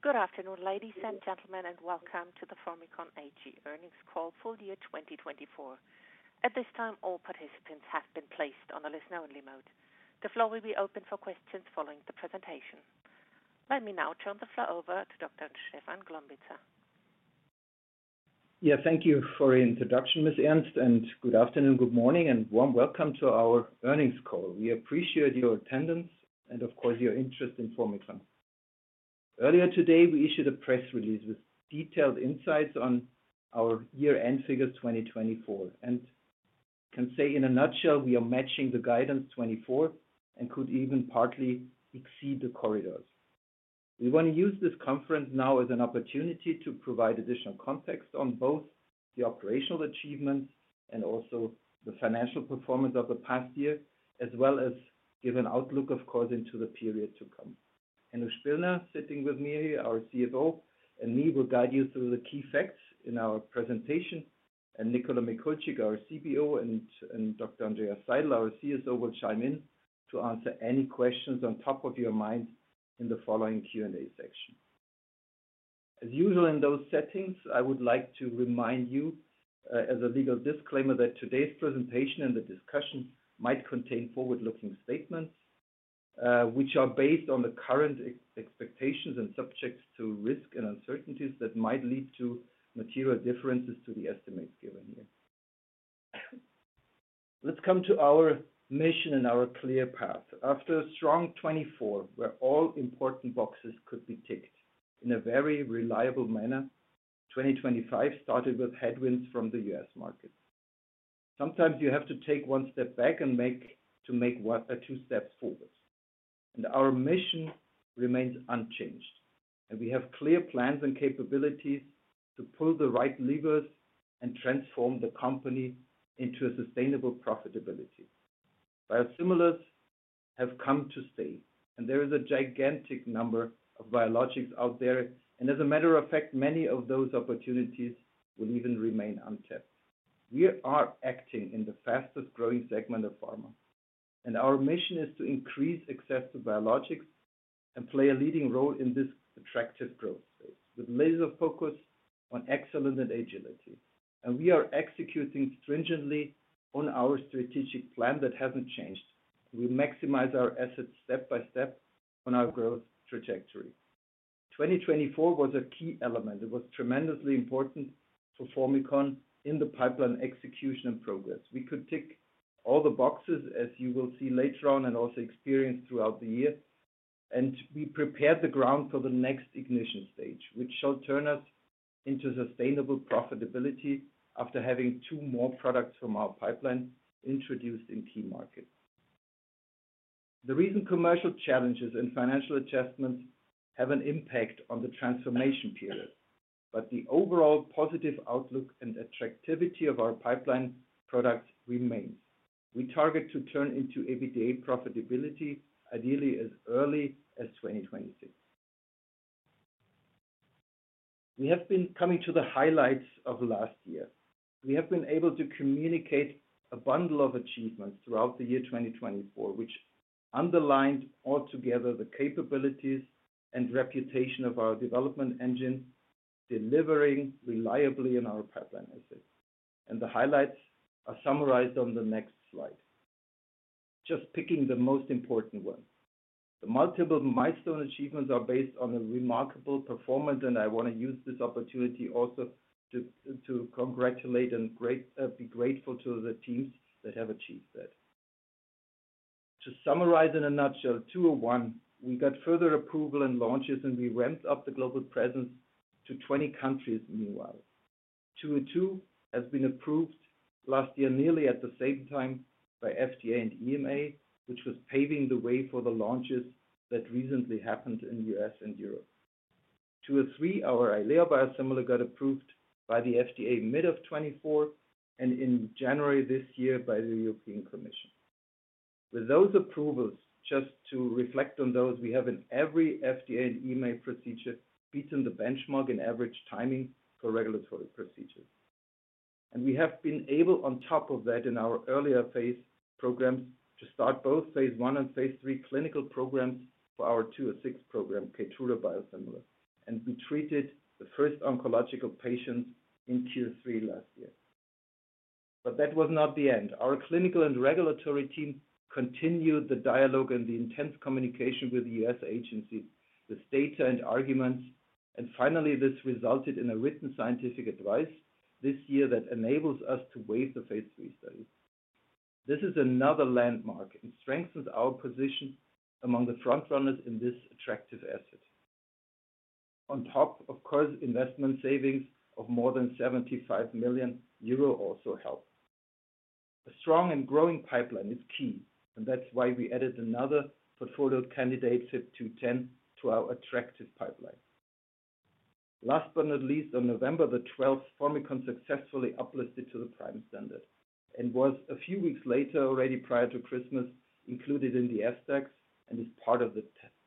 Good afternoon, ladies and gentlemen, and welcome to the Formycon earnings call, full year 2024. At this time, all participants have been placed on a listener-only mode. The floor will be open for questions following the presentation. Let me now turn the floor over to Dr. Stefan Glombitza. Yeah, thank you for the introduction, Ms. Ernst, and good afternoon, good morning, and warm welcome to our earnings call. We appreciate your attendance and, of course, your interest in Formycon. Earlier today, we issued a press release with detailed insights on our year-end figures 2024, and I can say in a nutshell, we are matching the guidance 2024 and could even partly exceed the corridors. We want to use this conference now as an opportunity to provide additional context on both the operational achievements and also the financial performance of the past year, as well as give an outlook, of course, into the period to come. Enno Spillner, sitting with me here, our CFO, and me will guide you through the key facts in our presentation, and Nicola Mikulcik, our CBO, and Dr. Andreas Seidl, our CSO, will chime in to answer any questions on top of your minds in the following Q&A section. As usual in those settings, I would like to remind you, as a legal disclaimer, that today's presentation and the discussion might contain forward-looking statements which are based on the current expectations and subject to risk and uncertainties that might lead to material differences to the estimates given here. Let's come to our mission and our clear path. After a strong 2024, where all important boxes could be ticked in a very reliable manner, 2025 started with headwinds from the U.S. market. Sometimes you have to take one step back and make two steps forward. Our mission remains unchanged, and we have clear plans and capabilities to pull the right levers and transform the company into a sustainable profitability. Biosimilars have come to stay, and there is a gigantic number of biologics out there, and as a matter of fact, many of those opportunities will even remain untapped. We are acting in the fastest-growing segment of pharma, and our mission is to increase access to biologics and play a leading role in this attractive growth space with laser focus on excellence and agility. We are executing stringently on our strategic plan that has not changed. We maximize our assets step by step on our growth trajectory. 2024 was a key element. It was tremendously important for Formycon in the pipeline execution and progress. We could tick all the boxes, as you will see later on, and also experience throughout the year, and we prepared the ground for the next ignition stage, which shall turn us into sustainable profitability after having two more products from our pipeline introduced in key markets. The recent commercial challenges and financial adjustments have an impact on the transformation period, but the overall positive outlook and attractivity of our pipeline products remains. We target to turn into EBITDA profitability, ideally as early as 2026. We have been coming to the highlights of last year. We have been able to communicate a bundle of achievements throughout the year 2024, which underlined altogether the capabilities and reputation of our development engine, delivering reliably on our pipeline assets. The highlights are summarized on the next slide, just picking the most important ones. The multiple milestone achievements are based on a remarkable performance, and I want to use this opportunity also to congratulate and be grateful to the teams that have achieved that. To summarize in a nutshell, FYB201, we got further approval and launches, and we ramped up the global presence to 20 countries meanwhile. FYB202 has been approved last year nearly at the same time by FDA and EMA, which was paving the way for the launches that recently happened in the U.S. and Europe. FYB203, our Eylea biosimilar got approved by the FDA mid of 2024 and in January this year by the European Commission. With those approvals, just to reflect on those, we have in every FDA and EMA procedure beaten the benchmark in average timing for regulatory procedures. We have been able, on top of that, in our earlier phase programs, to start both phase I and phase III clinical programs for our FYB206 program, Keytruda biosimilar, and we treated the first oncological patients in tier three last year. That was not the end. Our clinical and regulatory team continued the dialogue and the intense communication with the U.S. agencies with data and arguments, and finally, this resulted in a written scientific advice this year that enables us to waive the phase III study. This is another landmark and strengthens our position among the front runners in this attractive asset. On top, of course, investment savings of more than 75 million euro also help. A strong and growing pipeline is key, and that's why we added another portfolio candidate, SIP FYB210, to our attractive pipeline. Last but not least, on November 12, Formycon successfully uplisted to the Prime Standard and was a few weeks later, already prior to Christmas, included in the SDAX and is part of the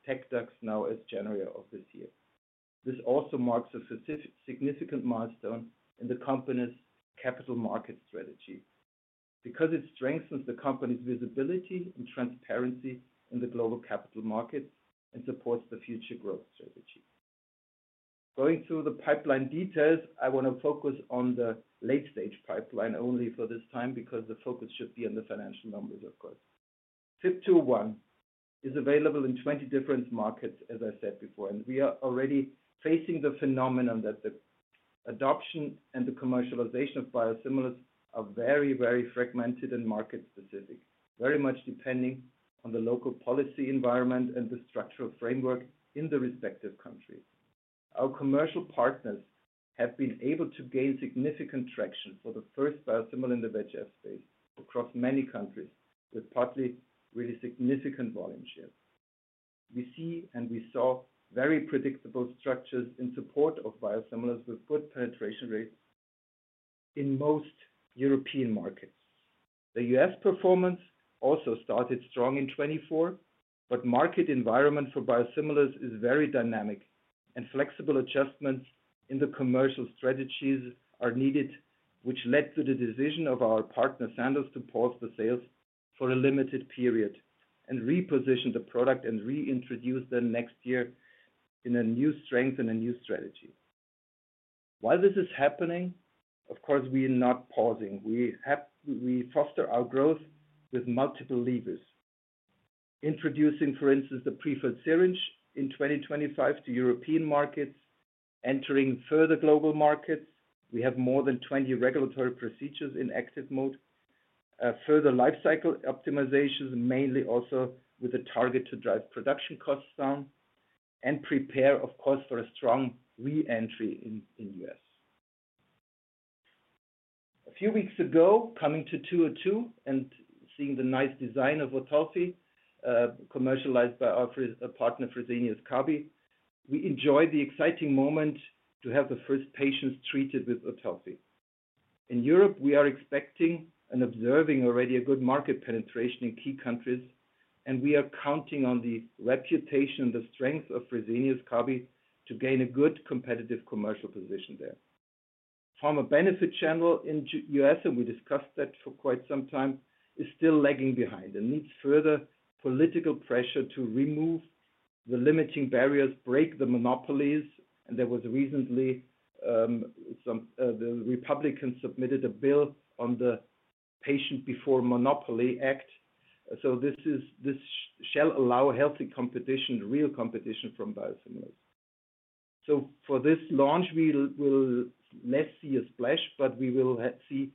TecDAX now as of January of this year. This also marks a significant milestone in the company's capital market strategy because it strengthens the company's visibility and transparency in the global capital markets and supports the future growth strategy. Going through the pipeline details, I want to focus on the late-stage pipeline only for this time because the focus should be on the financial numbers, of course. SIP FYB201 is available in 20 different markets, as I said before, and we are already facing the phenomenon that the adoption and the commercialization of biosimilars are very, very fragmented and market-specific, very much depending on the local policy environment and the structural framework in the respective countries. Our commercial partners have been able to gain significant traction for the first biosimilar in the VEGF space across many countries with partly really significant volume share. We see and we saw very predictable structures in support of biosimilars with good penetration rates in most European markets. The U.S. performance also started strong in 2024, but the market environment for biosimilars is very dynamic, and flexible adjustments in the commercial strategies are needed, which led to the decision of our partner, Sandoz, to pause the sales for a limited period and reposition the product and reintroduce them next year in a new strength and a new strategy. While this is happening, of course, we are not pausing. We foster our growth with multiple levers, introducing, for instance, the prefilled syringe in 2025 to European markets, entering further global markets. We have more than 20 regulatory procedures in exit mode, further lifecycle optimizations, mainly also with a target to drive production costs down and prepare, of course, for a strong re-entry in the U.S. A few weeks ago, coming to FYB202 and seeing the nice design of Otulfi, commercialized by our partner, Fresenius Kabi, we enjoyed the exciting moment to have the first patients treated with Otulfi. In Europe, we are expecting and observing already a good market penetration in key countries, and we are counting on the reputation and the strength of Fresenius Kabi to gain a good competitive commercial position there. Pharma benefit channel in the U.S., and we discussed that for quite some time, is still lagging behind and needs further political pressure to remove the limiting barriers, break the monopolies. There was recently some Republicans submitted a bill on the Patient Before Monopoly Act. This shall allow healthy competition, real competition from biosimilars. For this launch, we will less see a splash, but we will see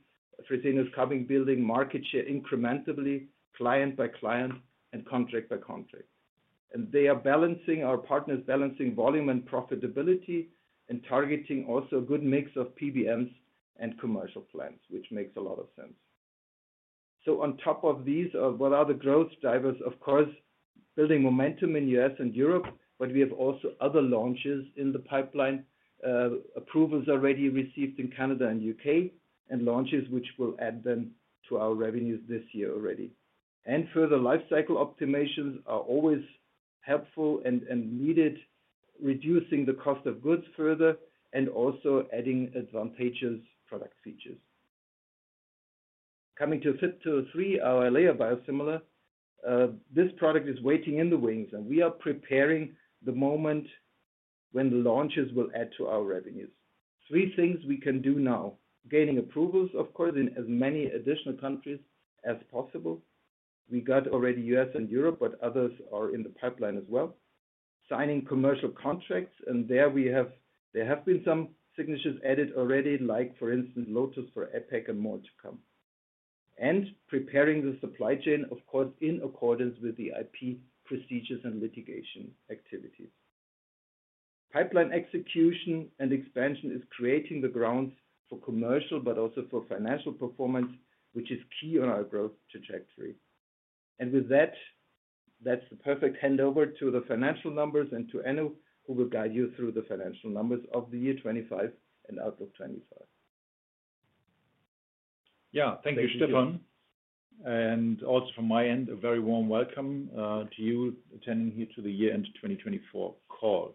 Fresenius Kabi building market share incrementally, client by client and contract by contract. They are balancing, our partners balancing volume and profitability and targeting also a good mix of PBMs and commercial plans, which makes a lot of sense. On top of these, what are the growth drivers? Of course, building momentum in the U.S. and Europe, but we have also other launches in the pipeline. Approvals already received in Canada and the U.K. and launches which will add then to our revenues this year already. Further lifecycle optimizations are always helpful and needed, reducing the cost of goods further and also adding advantageous product features. Coming to SIP FYB203, our Eylea biosimilar, this product is waiting in the wings, and we are preparing the moment when the launches will add to our revenues. Three things we can do now: gaining approvals, of course, in as many additional countries as possible. We got already U.S. and Europe, but others are in the pipeline as well. Signing commercial contracts, and there we have, there have been some signatures added already, like for instance, Lotus for APAC and more to come. Preparing the supply chain, of course, in accordance with the IP procedures and litigation activities. Pipeline execution and expansion is creating the grounds for commercial, but also for financial performance, which is key on our growth trajectory. With that, that's the perfect handover to the financial numbers and to Enno, who will guide you through the financial numbers of the year 2025 and outlook 2025. Yeah, thank you, Stefan. Also from my end, a very warm welcome to you attending here to the year-end 2024 call.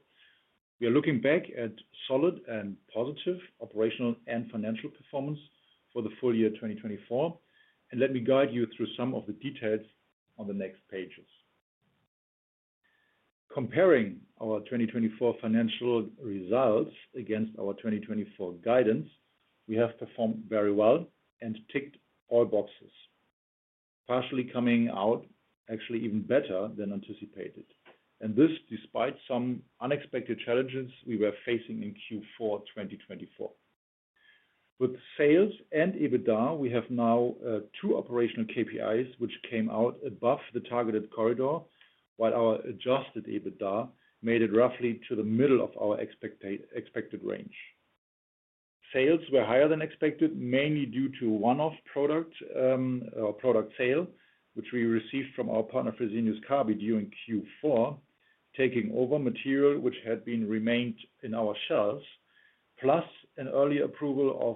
We are looking back at solid and positive operational and financial performance for the full year 2024, and let me guide you through some of the details on the next pages. Comparing our 2024 financial results against our 2024 guidance, we have performed very well and ticked all boxes, partially coming out actually even better than anticipated. This is despite some unexpected challenges we were facing in Q4 2024. With sales and EBITDA, we have now two operational KPIs which came out above the targeted corridor, while our Adjusted EBITDA made it roughly to the middle of our expected range. Sales were higher than expected, mainly due to one-off product or product sale, which we received from our partner, Fresenius Kabi, during Q4, taking over material which had been remained in our shelves, plus an early approval of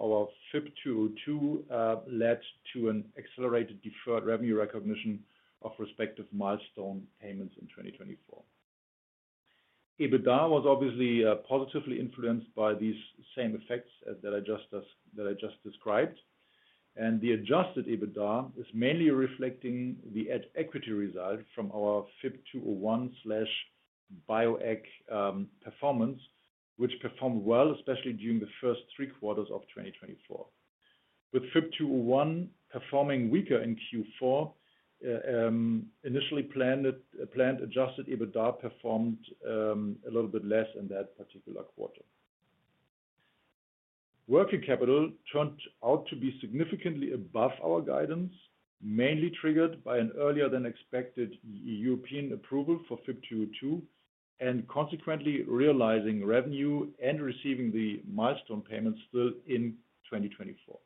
our SIP FYB202 led to an accelerated deferred revenue recognition of respective milestone payments in 2024. EBITDA was obviously positively influenced by these same effects that I just described, and the Adjusted EBITDA is mainly reflecting the equity result from our SIP FYB201/Bioeq performance, which performed well, especially during the first three quarters of 2024. With SIP FYB201 performing weaker in Q4, initially planned Adjusted EBITDA performed a little bit less in that particular quarter. Working capital turned out to be significantly above our guidance, mainly triggered by an earlier than expected European approval for SIP FYB202 and consequently realizing revenue and receiving the milestone payments still in 2024.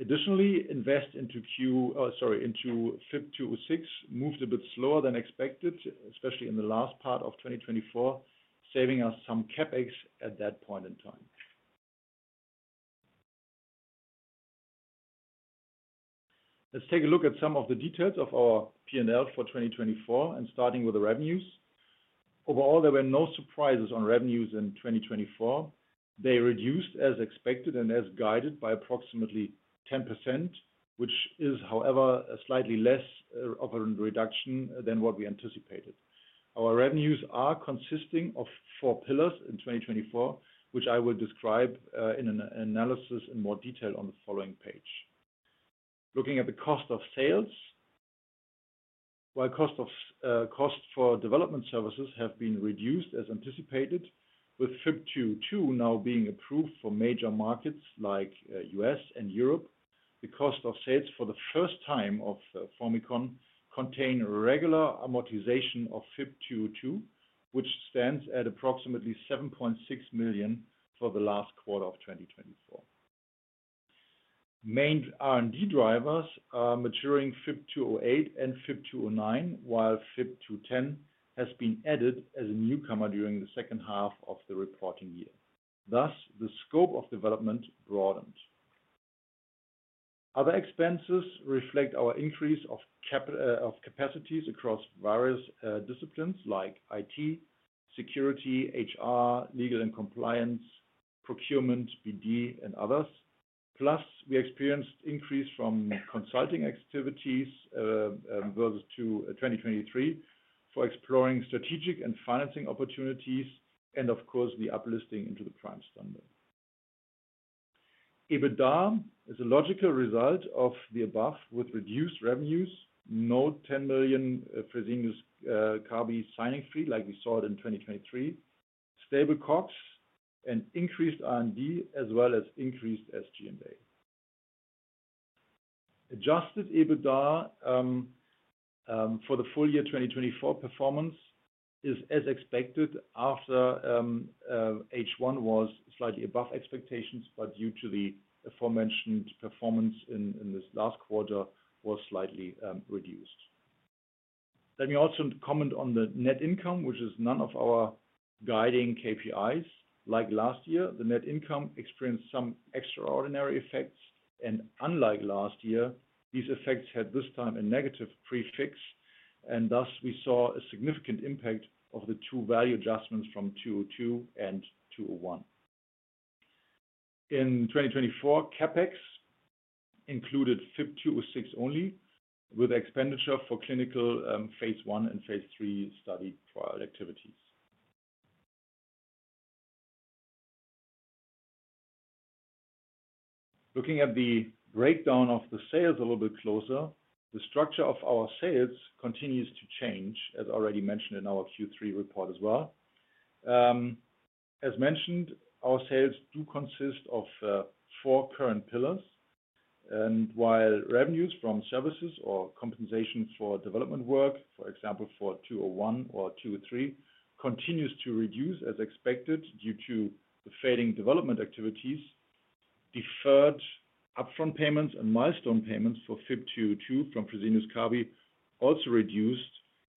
Additionally, invest into SIP 206 moved a bit slower than expected, especially in the last part of 2024, saving us some CapEx at that point in time. Let's take a look at some of the details of our P&L for 2024, and starting with the revenues. Overall, there were no surprises on revenues in 2024. They reduced as expected and as guided by approximately 10%, which is, however, a slightly less of a reduction than what we anticipated. Our revenues are consisting of four pillars in 2024, which I will describe in an analysis in more detail on the following page. Looking at the cost of sales, while cost for development services have been reduced as anticipated, with SIP FYB202 now being approved for major markets like the U.S. and Europe, the cost of sales for the first time of Formycon contained a regular amortization of SIP FYB202, which stands at approximately 7.6 million for the last quarter of 2024. Main R&D drivers are maturing SIP FYB208 and SIP FYB209, while SIP FYB210 has been added as a newcomer during the second half of the reporting year. Thus, the scope of development broadened. Other expenses reflect our increase of capacities across various disciplines like IT, security, HR, legal and compliance, procurement, BD, and others. Plus, we experienced increase from consulting activities versus 2023 for exploring strategic and financing opportunities, and of course, the uplisting into the prime standard. EBITDA is a logical result of the above with reduced revenues, no 10 million Fresenius Kabi signing fee like we saw it in 2023, stable costs, and increased R&D as well as increased SG&A. Adjusted EBITDA for the full year 2024 performance is as expected after H1 was slightly above expectations, but due to the aforementioned performance in this last quarter was slightly reduced. Let me also comment on the net income, which is none of our guiding KPIs. Like last year, the net income experienced some extraordinary effects, and unlike last year, these effects had this time a negative prefix, and thus we saw a significant impact of the two value adjustments from 202 and FYB201. In 2024, CapEx included SIP 206 only with expenditure for clinical phase I and phase III study trial activities. Looking at the breakdown of the sales a little bit closer, the structure of our sales continues to change, as already mentioned in our Q3 report as well. As mentioned, our sales do consist of four current pillars, and while revenues from services or compensation for development work, for example, for SIP FYB201 or SIP FYB203, continues to reduce as expected due to the fading development activities, deferred upfront payments and milestone payments for SIP FYB202 from Fresenius Kabi also reduced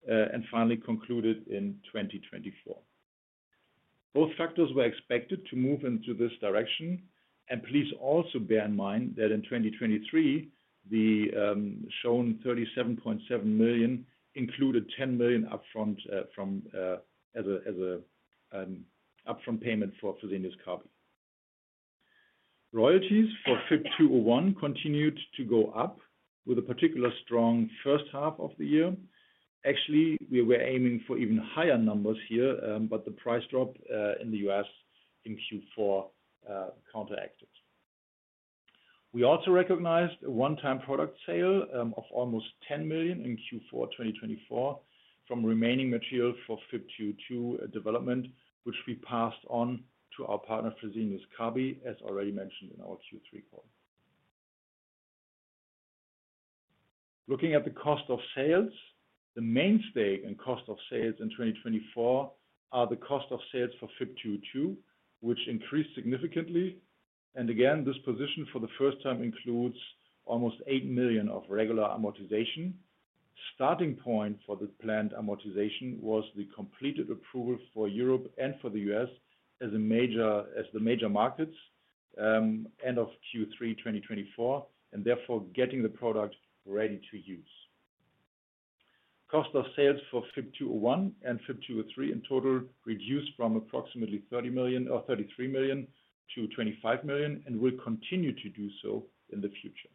and finally concluded in 2024. Both factors were expected to move into this direction, and please also bear in mind that in 2023, the shown 37.7 million included 10 million upfront as an upfront payment for Fresenius Kabi. Royalties for SIP FYB201 continued to go up with a particular strong first half of the year. Actually, we were aiming for even higher numbers here, but the price drop in the U.S. in Q4 counteracted. We also recognized a one-time product sale of almost 10 million in Q4 2024 from remaining material for SIP FYB202 development, which we passed on to our partner, Fresenius Kabi, as already mentioned in our Q3 call. Looking at the cost of sales, the main stake in cost of sales in 2024 are the cost of sales for SIP FYB202, which increased significantly. This position for the first time includes almost 8 million of regular amortization. Starting point for the planned amortization was the completed approval for Europe and for the U.S. as the major markets end of Q3 2024, and therefore getting the product ready to use. Cost of sales for SIP FYB201 and SIP FYB203 in total reduced from approximately 30 million or 33 million to 25 million and will continue to do so in the future.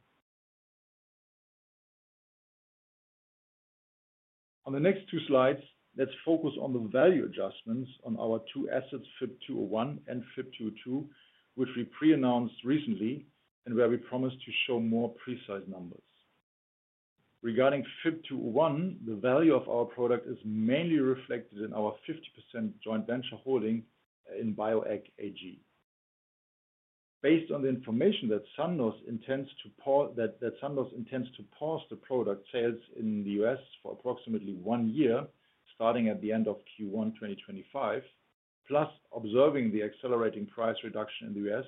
On the next two slides, let's focus on the value adjustments on our two assets, SIP FYB201 and SIP FYB202, which we pre-announced recently and where we promised to show more precise numbers. Regarding SIP FYB201, the value of our product is mainly reflected in our 50% joint venture holding in Bioeq AG. Based on the information that Sandoz intends to pause the product sales in the U.S. for approximately one year starting at the end of Q1 2025, plus observing the accelerating price reduction in the U.S.,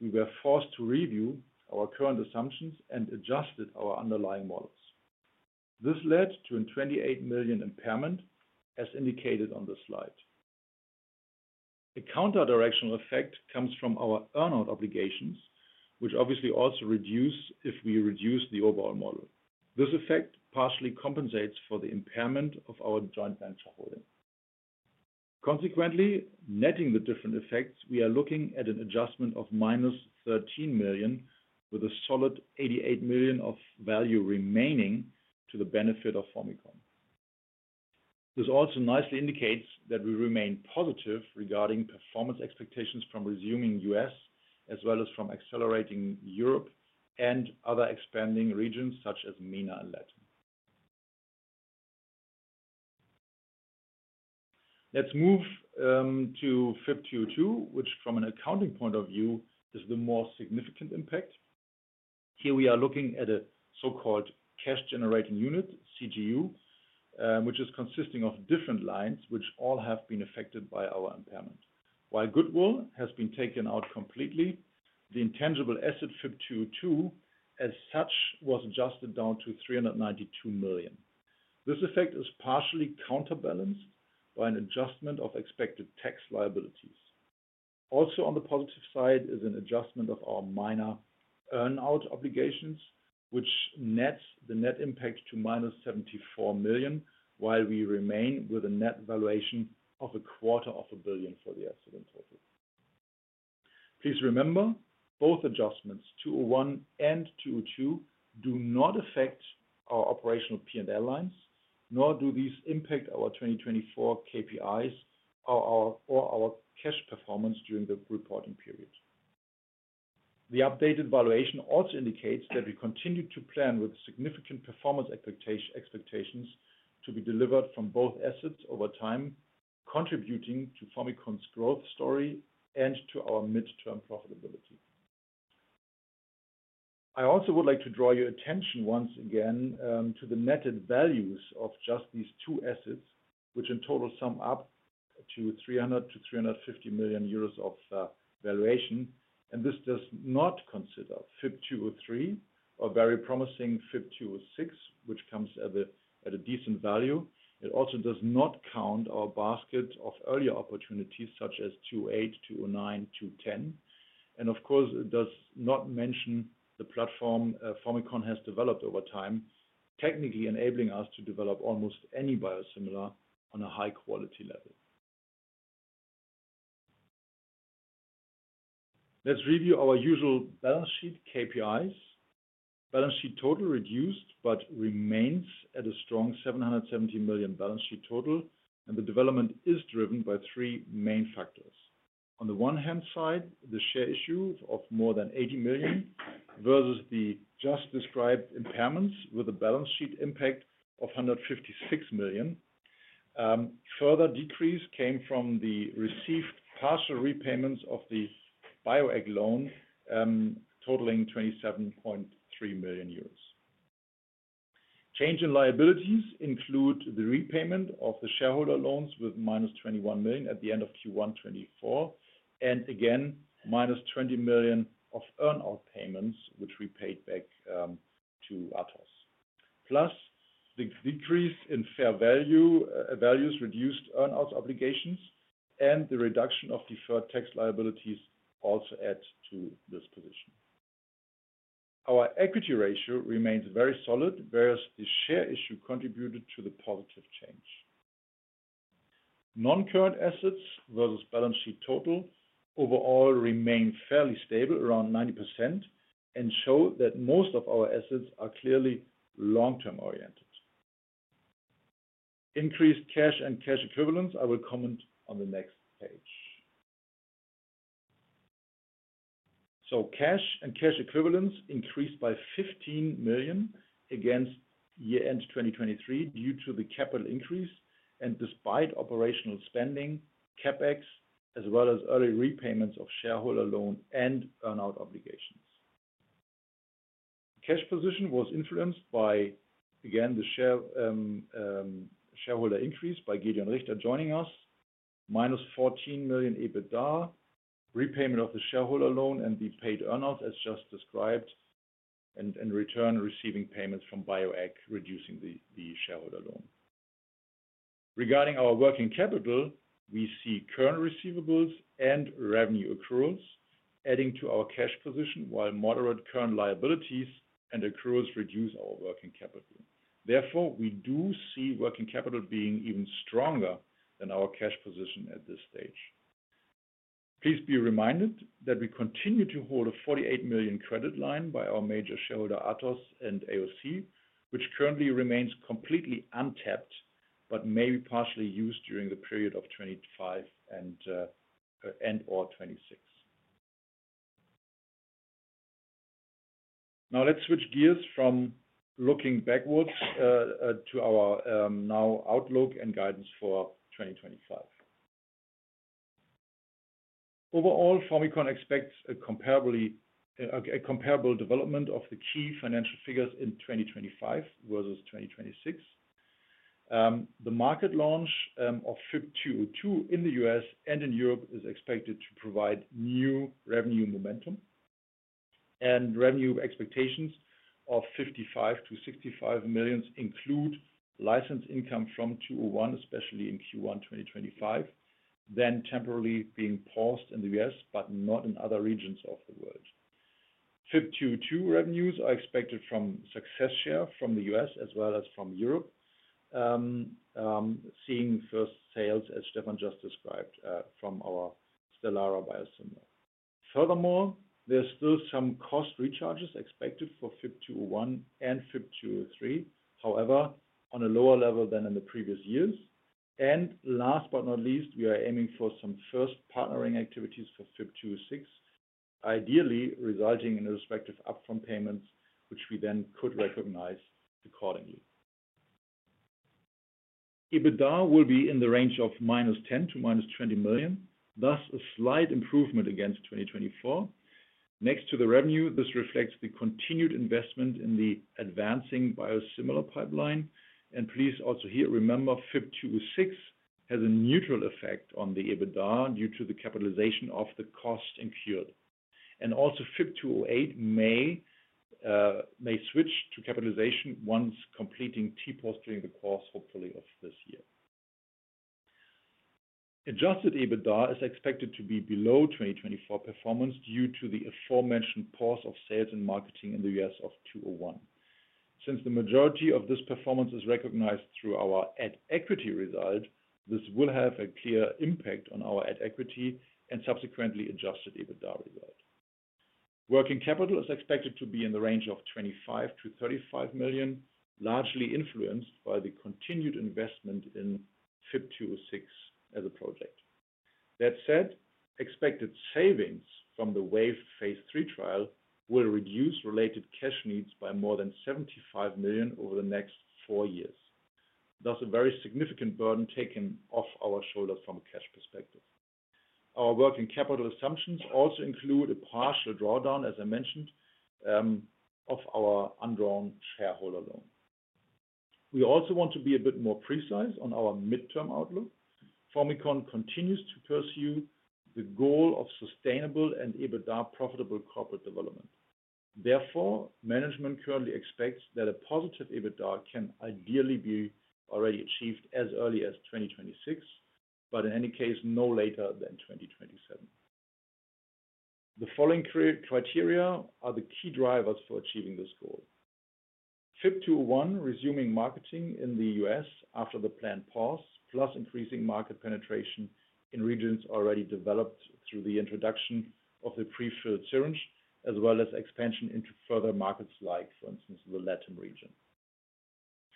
we were forced to review our current assumptions and adjusted our underlying models. This led to a 28 million impairment, as indicated on the slide. A counter-directional effect comes from our earn-out obligations, which obviously also reduce if we reduce the overall model. This effect partially compensates for the impairment of our joint venture holding. Consequently, netting the different effects, we are looking at an adjustment of 13 million with a solid 88 million of value remaining to the benefit of Formycon. This also nicely indicates that we remain positive regarding performance expectations from resuming U.S. as well as from accelerating Europe and other expanding regions such as MENA and Latin. Let's move to SIP FYB202, which from an accounting point of view is the more significant impact. Here we are looking at a so-called cash-generating unit, CGU, which is consisting of different lines which all have been affected by our impairment. While goodwill has been taken out completely, the intangible asset SIP FYB202 as such was adjusted down to 392 million. This effect is partially counterbalanced by an adjustment of expected tax liabilities. Also on the positive side is an adjustment of our minor earn-out obligations, which nets the net impact to 74 million, while we remain with a net valuation of a quarter of a billion for the excellent total. Please remember, both adjustments FYB201 and FYB202 do not affect our operational P&L lines, nor do these impact our 2024 KPIs or our cash performance during the reporting period. The updated valuation also indicates that we continue to plan with significant performance expectations to be delivered from both assets over time, contributing to Formycon's growth story and to our midterm profitability. I also would like to draw your attention once again to the netted values of just these two assets, which in total sum up to 300 million-350 million euros of valuation, and this does not consider SIP FYB203 or very promising SIP FYB206, which comes at a decent value. It also does not count our basket of earlier opportunities such as FYB208, FYB209, FYB210, and of course, it does not mention the platform Formycon has developed over time, technically enabling us to develop almost any biosimilar on a high-quality level. Let's review our usual balance sheet KPIs. Balance sheet total reduced but remains at a strong 770 million balance sheet total, and the development is driven by three main factors. On the one hand side, the share issue of more than 80 million versus the just described impairments with a balance sheet impact of 156 million. Further decrease came from the received partial repayments of the Bioeq loan totaling 27.3 million euros. Change in liabilities include the repayment of the shareholder loans with 21 million at the end of Q1 2024, and again, 20 million of earn-out payments, which we paid back to ATHOS. Plus, the decrease in fair values, reduced earn-out obligations, and the reduction of deferred tax liabilities also add to this position. Our equity ratio remains very solid, whereas the share issue contributed to the positive change. Non-current assets versus balance sheet total overall remain fairly stable, around 90%, and show that most of our assets are clearly long-term oriented. Increased cash and cash equivalents, I will comment on the next page. Cash and cash equivalents increased by 15 million against year-end 2023 due to the capital increase and despite operational spending, CapEx, as well as early repayments of shareholder loan and earn-out obligations. Cash position was influenced by, again, the shareholder increase by Gedeon Richter joining us, 14 million EBITDA, repayment of the shareholder loan, and the paid earn-outs as just described, and in return receiving payments from Bioeq reducing the shareholder loan. Regarding our working capital, we see current receivables and revenue accruals adding to our cash position, while moderate current liabilities and accruals reduce our working capital. Therefore, we do see working capital being even stronger than our cash position at this stage. Please be reminded that we continue to hold a 48 million credit line by our major shareholder ATHOS and AOC, which currently remains completely untapped but may be partially used during the period of 2025 and/or 2026. Now let's switch gears from looking backwards to our now outlook and guidance for 2025. Overall, Formycon expects a comparable development of the key financial figures in 2025 versus 2026. The market launch of SIP FYB202 in the U.S. and in Europe is expected to provide new revenue momentum, and revenue expectations of 55 million-65 million include license income from FYB201, especially in Q1 2025, then temporarily being paused in the U.S. but not in other regions of the world. SIP FYB202 revenues are expected from success share from the U.S. as well as from Europe, seeing first sales as Stefan just described from our Stelara biosimilar. Furthermore, there is still some cost recharges expected for SIP FYB201 and SIP FYB203, however, on a lower level than in the previous years. Last but not least, we are aiming for some first partnering activities for SIP FYB206, ideally resulting in respective upfront payments, which we then could recognize accordingly. EBITDA will be in the range of 10 million-20 million, thus a slight improvement against 2024. Next to the revenue, this reflects the continued investment in the advancing biosimilar pipeline, and please also here remember SIP FYB206 has a neutral effect on the EBITDA due to the capitalization of the cost incurred. SIP 208 may switch to capitalization once completing TPOS during the course, hopefully of this year. Adjusted EBITDA is expected to be below 2024 performance due to the aforementioned pause of sales and marketing in the U.S. of FYB201. Since the majority of this performance is recognized through our at equity result, this will have a clear impact on our at equity and subsequently Adjusted EBITDA result. Working capital is expected to be in the range of 25 million-35 million, largely influenced by the continued investment in SIP FYB206 as a project. That said, expected savings from the [waived] phase III trial will reduce related cash needs by more than 75 million over the next four years, thus a very significant burden taken off our shoulders from a cash perspective. Our working capital assumptions also include a partial drawdown, as I mentioned, of our undrawn shareholder loan. We also want to be a bit more precise on our midterm outlook. Formycon continues to pursue the goal of sustainable and EBITDA profitable corporate development. Therefore, management currently expects that a positive EBITDA can ideally be already achieved as early as 2026, but in any case, no later than 2027. The following criteria are the key drivers for achieving this goal: SIP FYB201, resuming marketing in the U.S. after the planned pause, plus increasing market penetration in regions already developed through the introduction of the prefilled syringe, as well as expansion into further markets like, for instance, the LATAM region.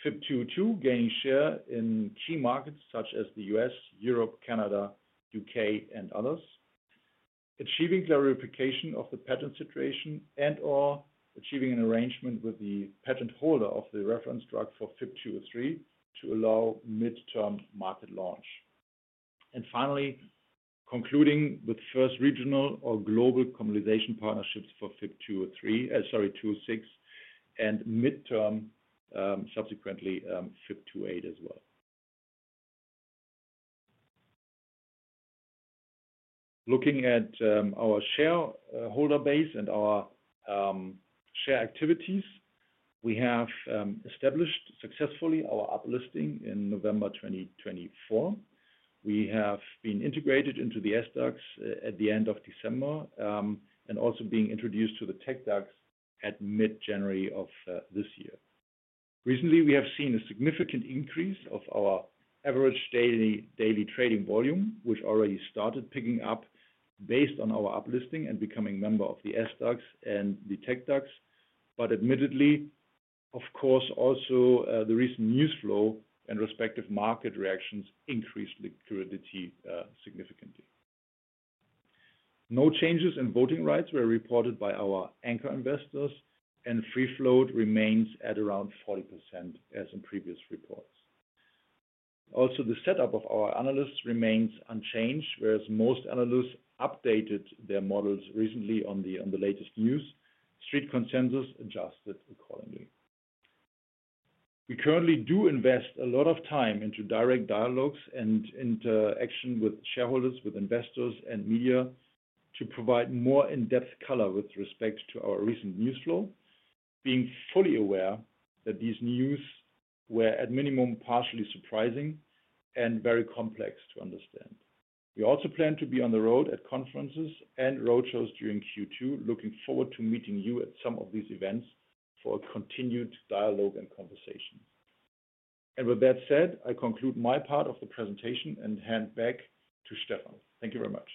SIP FYB202 gaining share in key markets such as the U.S., Europe, Canada, U.K., and others. Achieving clarification of the patent situation and/or achieving an arrangement with the patent holder of the reference drug for SIP FYB203 to allow midterm market launch. Finally, concluding with first regional or global commercialization partnerships for SIP FYB206 and midterm, subsequently SIP EYB208 as well. Looking at our shareholder base and our share activities, we have established successfully our uplisting in November 2024. We have been integrated into the SDAX at the end of December and also being introduced to the TecDAX at mid-January of this year. Recently, we have seen a significant increase of our average daily trading volume, which already started picking up based on our uplisting and becoming member of the SDAX and the TecDAX, but admittedly, of course, also the recent news flow and respective market reactions increased liquidity significantly. No changes in voting rights were reported by our anchor investors, and free float remains at around 40% as in previous reports. Also, the setup of our analysts remains unchanged, whereas most analysts updated their models recently on the latest news. Street consensus adjusted accordingly. We currently do invest a lot of time into direct dialogues and interaction with shareholders, with investors, and media to provide more in-depth color with respect to our recent news flow, being fully aware that these news were at minimum partially surprising and very complex to understand. We also plan to be on the road at conferences and roadshows during Q2, looking forward to meeting you at some of these events for continued dialogue and conversation. With that said, I conclude my part of the presentation and hand back to Stefan. Thank you very much.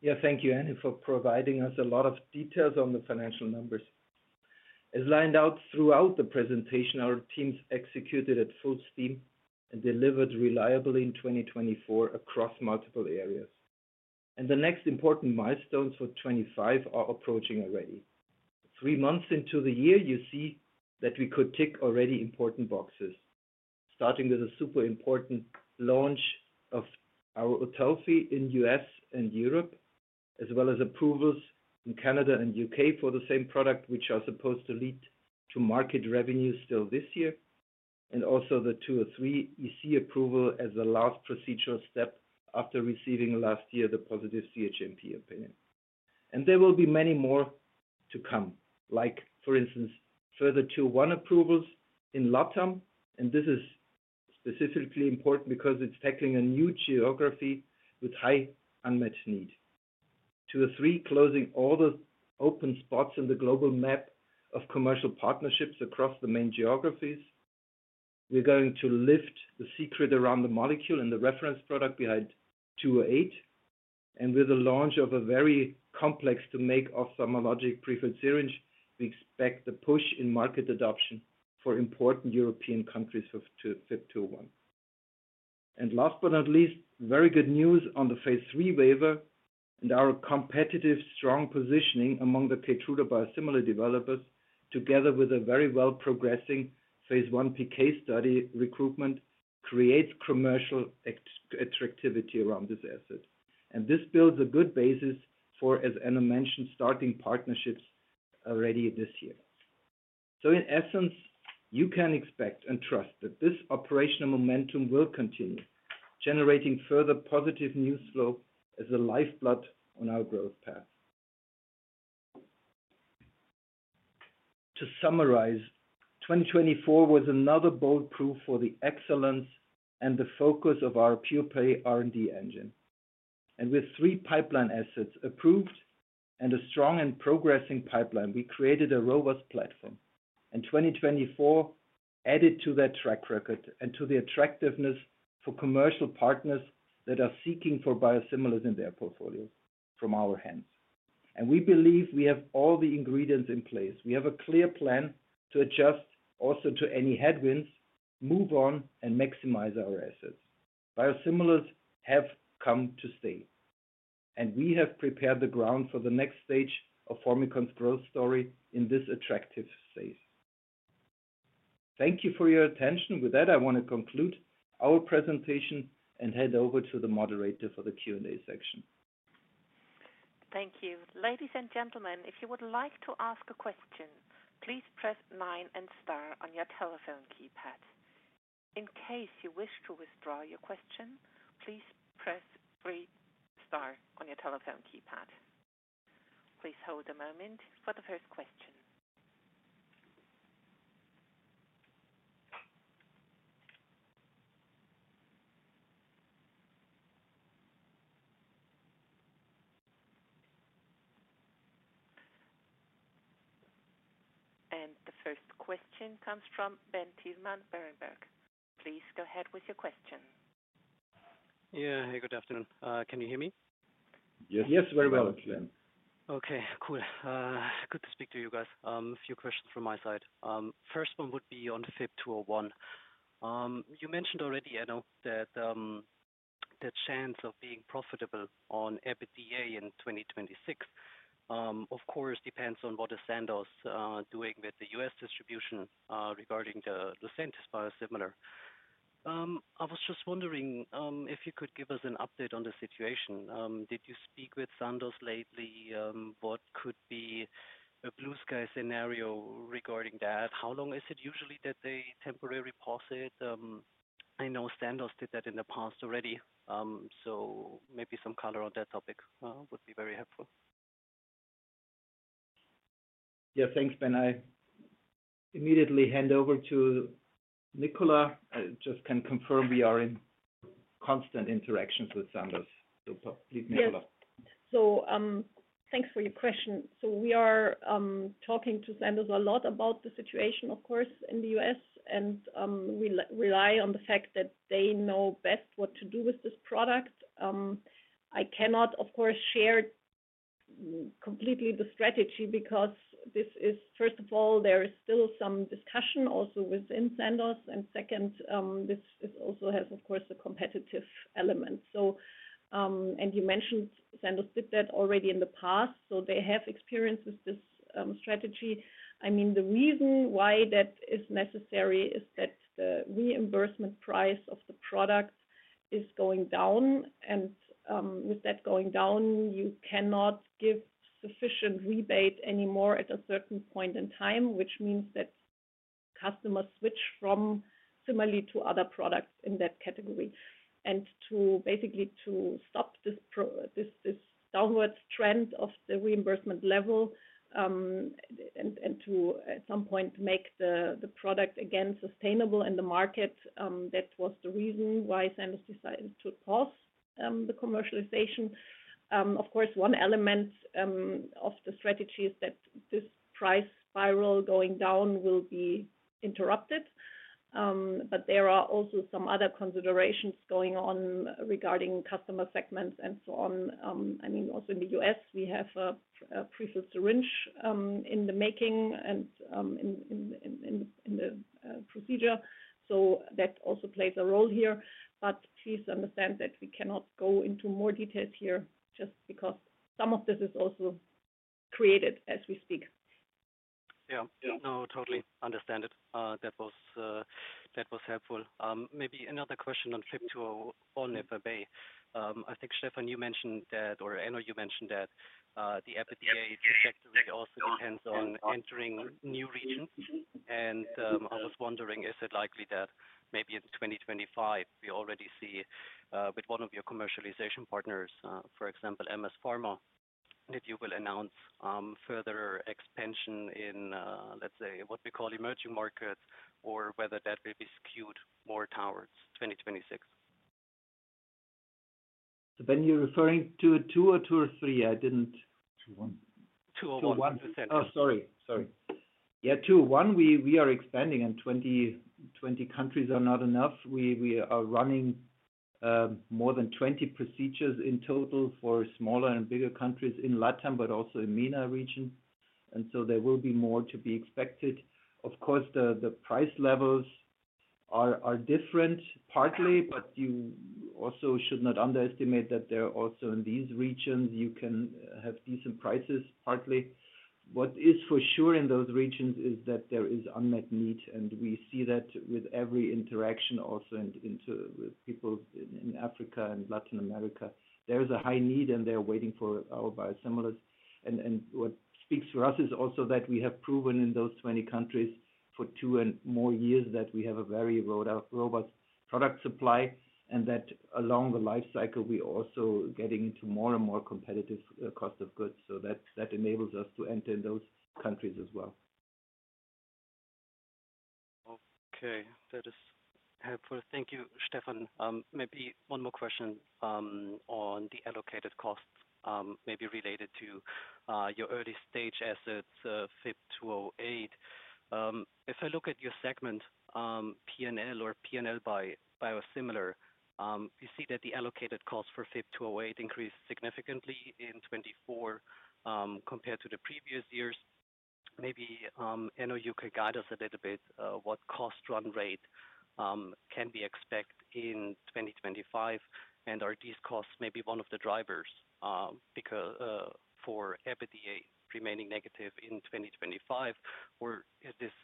Yeah, thank you, Enno, for providing us a lot of details on the financial numbers. As lined out throughout the presentation, our teams executed at full steam and delivered reliably in 2024 across multiple areas. The next important milestones for 2025 are approaching already. Three months into the year, you see that we could tick already important boxes, starting with a super important launch of our Otulfi in the U.S. and Europe, as well as approvals in Canada and U.K. for the same product, which are supposed to lead to market revenue still this year, also the FYB203 EMA approval as the last procedural step after receiving last year the positive CHMP opinion. There will be many more to come, like, for instance, further FYB201 approvals in LATAM, and this is specifically important because it is tackling a new geography with high unmet need. FYB203 closing all the open spots in the global map of commercial partnerships across the main geographies. We're going to lift the secret around the molecule and the reference product behind FYB208, and with the launch of a very complex to make ophthalmologic prefilled syringe, we expect the push in market adoption for important European countries for SIP FYB201. Last but not least, very good news on the phase III waiver and our competitive strong positioning among the Keytruda biosimilar developers, together with a very well-progressing phase I PK study recruitment, creates commercial attractivity around this asset. This builds a good basis for, as Enno mentioned, starting partnerships already this year. In essence, you can expect and trust that this operational momentum will continue, generating further positive news flow as a lifeblood on our growth path. To summarize, 2024 was another bold proof for the excellence and the focus of our pure-pay R&D engine. With three pipeline assets approved and a strong and progressing pipeline, we created a robust platform, and 2024 added to that track record and to the attractiveness for commercial partners that are seeking for biosimilars in their portfolios from our hands. We believe we have all the ingredients in place. We have a clear plan to adjust also to any headwinds, move on, and maximize our assets. Biosimilars have come to stay, and we have prepared the ground for the next stage of Formycon's growth story in this attractive space. Thank you for your attention. With that, I want to conclude our presentation and head over to the moderator for the Q&A section. Thank you. Ladies and gentlemen, if you would like to ask a question, please press nine and star on your telephone keypad. In case you wish to withdraw your question, please press three star on your telephone keypad. Please hold a moment for the first question. The first question comes from Ben Thielmann Berenberg. Please go ahead with your question. Yeah, hey, good afternoon. Can you hear me? Yes, very well. Okay, cool. Good to speak to you guys. A few questions from my side. First one would be on SIP FYB201. You mentioned already, Enno, that the chance of being profitable on EBITDA in 2026, of course, depends on what is Sandoz doing with the U.S. distribution regarding the Lucentis Biosimilar. I was just wondering if you could give us an update on the situation. Did you speak with Sandoz lately? What could be a blue sky scenario regarding that? How long is it usually that they temporarily pause it? I know Sandoz did that in the past already, so maybe some color on that topic would be very helpful. Yeah, thanks, Ben. I immediately hand over to Nicola. I just can confirm we are in constant interactions with Sandoz. Please, Nicola. Thanks for your question. We are talking to Sandoz a lot about the situation, of course, in the U.S., and we rely on the fact that they know best what to do with this product. I cannot, of course, share completely the strategy because this is, first of all, there is still some discussion also within Sandoz, and second, this also has, of course, a competitive element. You mentioned Sandoz did that already in the past, so they have experience with this strategy. I mean, the reason why that is necessary is that the reimbursement price of the product is going down, and with that going down, you cannot give sufficient rebate anymore at a certain point in time, which means that customers switch from similarly to other products in that category. Basically, to stop this downward trend of the reimbursement level and to, at some point, make the product again sustainable in the market, that was the reason why Sandoz decided to pause the commercialization. Of course, one element of the strategy is that this price spiral going down will be interrupted, but there are also some other considerations going on regarding customer segments and so on. I mean, also in the U.S., we have a prefilled syringe in the making and in the procedure, so that also plays a role here. Please understand that we cannot go into more details here just because some of this is also created as we speak. Yeah, no, totally understand it. That was helpful. Maybe another question on SIP FYB201 and EBITDA. I think, Stefan, you mentioned that, or Enno, you mentioned that the EBITDA sector also depends on entering new regions, and I was wondering, is it likely that maybe in 2025 we already see with one of your commercialization partners, for example, MS Pharma, that you will announce further expansion in, let's say, what we call emerging markets, or whether that will be skewed more towards 2026? Ben, you're referring to a two or two or three? I didn't. FYB201. FYB201. Oh, sorry. Sorry. Yeah, FYB201, we are expanding in 20 countries are not enough. We are running more than 20 procedures in total for smaller and bigger countries in LATAM, but also in the MENA region, and there will be more to be expected. Of course, the price levels are different partly, but you also should not underestimate that there are also in these regions, you can have decent prices partly. What is for sure in those regions is that there is unmet need, and we see that with every interaction also with people in Africa and Latin America. There is a high need, and they're waiting for our biosimilars. What speaks for us is also that we have proven in those 20 countries for two and more years that we have a very robust product supply and that along the lifecycle, we are also getting into more and more competitive cost of goods, so that enables us to enter in those countries as well. Okay, that is helpful. Thank you, Stefan. Maybe one more question on the allocated costs, maybe related to your early stage assets, SIP FYB208. If I look at your segment, P&L or P&L by biosimilar, we see that the allocated cost for SIP FYB208 increased significantly in 2024 compared to the previous years. Maybe Enno, you could guide us a little bit what cost run rate can we expect in 2025, and are these costs maybe one of the drivers for EBITDA remaining negative in 2025, or is this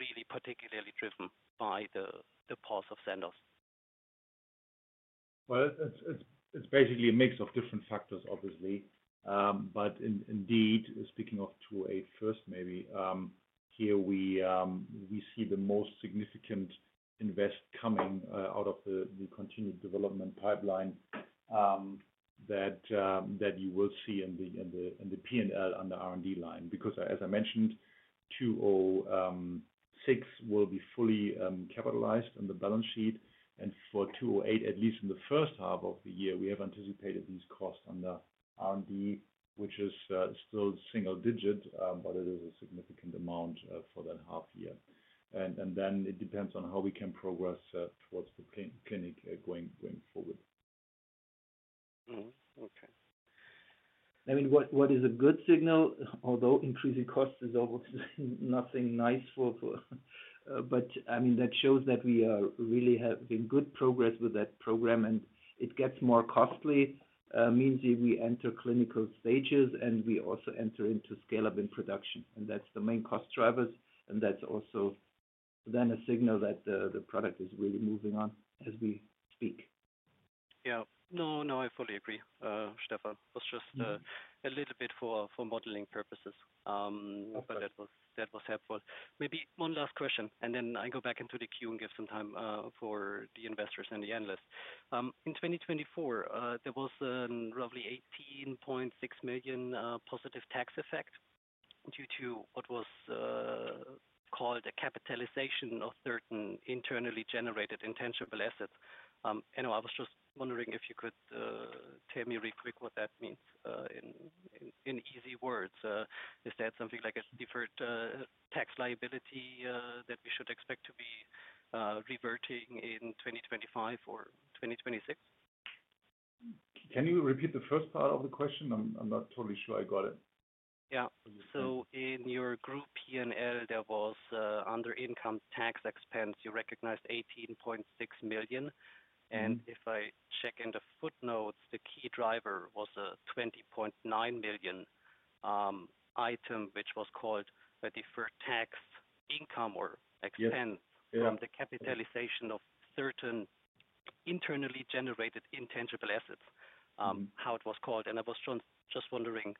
really particularly driven by the pause of Sandoz? It is basically a mix of different factors, obviously. Indeed, speaking of FYB208 first, maybe here we see the most significant invest coming out of the continued development pipeline that you will see in the P&L under R&D line because, as I mentioned, FYB206 will be fully capitalized on the balance sheet. For FYB208, at least in the first half of the year, we have anticipated these costs under R&D, which is still single digit, but it is a significant amount for that half year. It depends on how we can progress towards the clinic going forward. Okay. I mean, what is a good signal? Although increasing costs is almost nothing nice for, but I mean, that shows that we really have been good progress with that program, and it gets more costly means we enter clinical stages and we also enter into scale-up in production, and that's the main cost drivers, and that's also then a signal that the product is really moving on as we speak. Yeah. No, no, I fully agree, Stefan. It was just a little bit for modeling purposes, but that was helpful. Maybe one last question, and then I go back into the queue and give some time for the investors and the analysts. In 2024, there was roughly 18.6 million positive tax effect due to what was called a capitalization of certain internally generated intangible assets. I was just wondering if you could tell me real quick what that means in easy words. Is that something like a different tax liability that we should expect to be reverting in 2025 or 2026? Can you repeat the first part of the question? I'm not totally sure I got it. Yeah. In your group P&L, there was under income tax expense, you recognized 18.6 million, and if I check in the footnotes, the key driver was a 20.9 million item which was called a deferred tax income or expense from the capitalization of certain internally generated intangible assets, how it was called. I was just wondering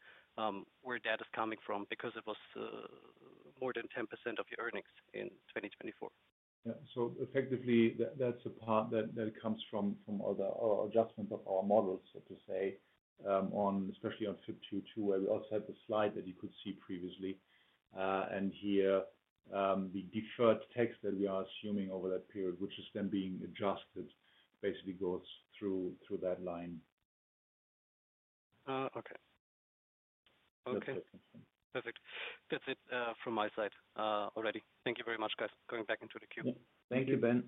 where that is coming from because it was more than 10% of your earnings in 2024. Yeah. Effectively, that's a part that comes from other adjustments of our models, so to say, especially on SIP FYB202, where we also had the slide that you could see previously. Here, the deferred tax that we are assuming over that period, which is then being adjusted, basically goes through that line. Okay. Perfect. That's it from my side already. Thank you very much, guys. Going back into the queue. Thank you, Ben.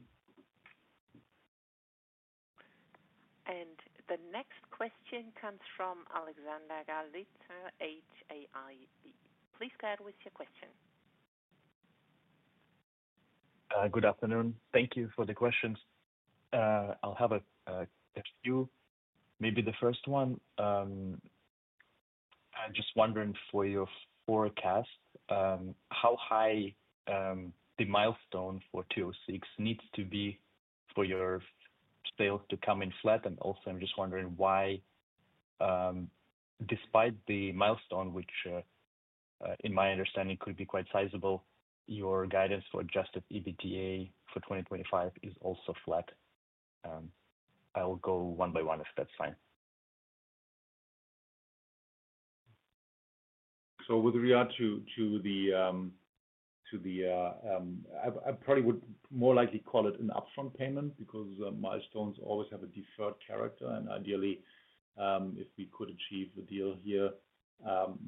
The next question comes from [Alexander Gaiditz, HAID]. Please go ahead with your question. Good afternoon. Thank you for the questions. I'll have a few. Maybe the first one, I'm just wondering for your forecast, how high the milestone for FYB206 needs to be for your sales to come in flat? Also, I'm just wondering why, despite the milestone, which in my understanding could be quite sizable, your guidance for Adjusted EBITDA for 2025 is also flat. I'll go one by one if that's fine. With regard to the, I probably would more likely call it an upfront payment because milestones always have a deferred character. Ideally, if we could achieve the deal here,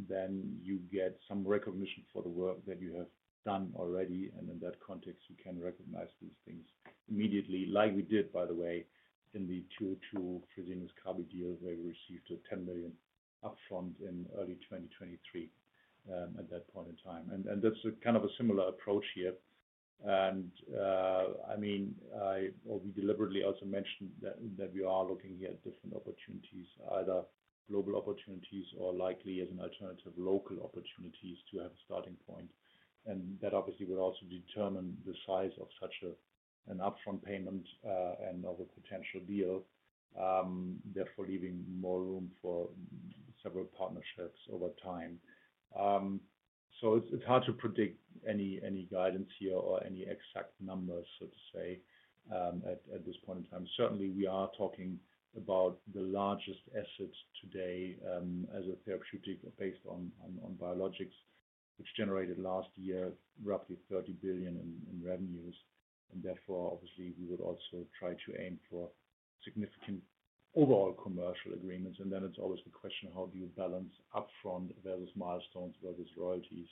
then you get some recognition for the work that you have done already, and in that context, you can recognize these things immediately, like we did, by the way, in the 202 Fresenius Kabi deal where we received 10 million upfront in early 2023 at that point in time. That's kind of a similar approach here. I mean, we deliberately also mentioned that we are looking here at different opportunities, either global opportunities or likely as an alternative local opportunities to have a starting point. That obviously would also determine the size of such an upfront payment and of a potential deal, therefore leaving more room for several partnerships over time. It is hard to predict any guidance here or any exact numbers, so to say, at this point in time. Certainly, we are talking about the largest asset today as a therapeutic based on biologics, which generated last year roughly $30 billion in revenues. Therefore, obviously, we would also try to aim for significant overall commercial agreements. It is always the question, how do you balance upfront versus milestones versus royalties?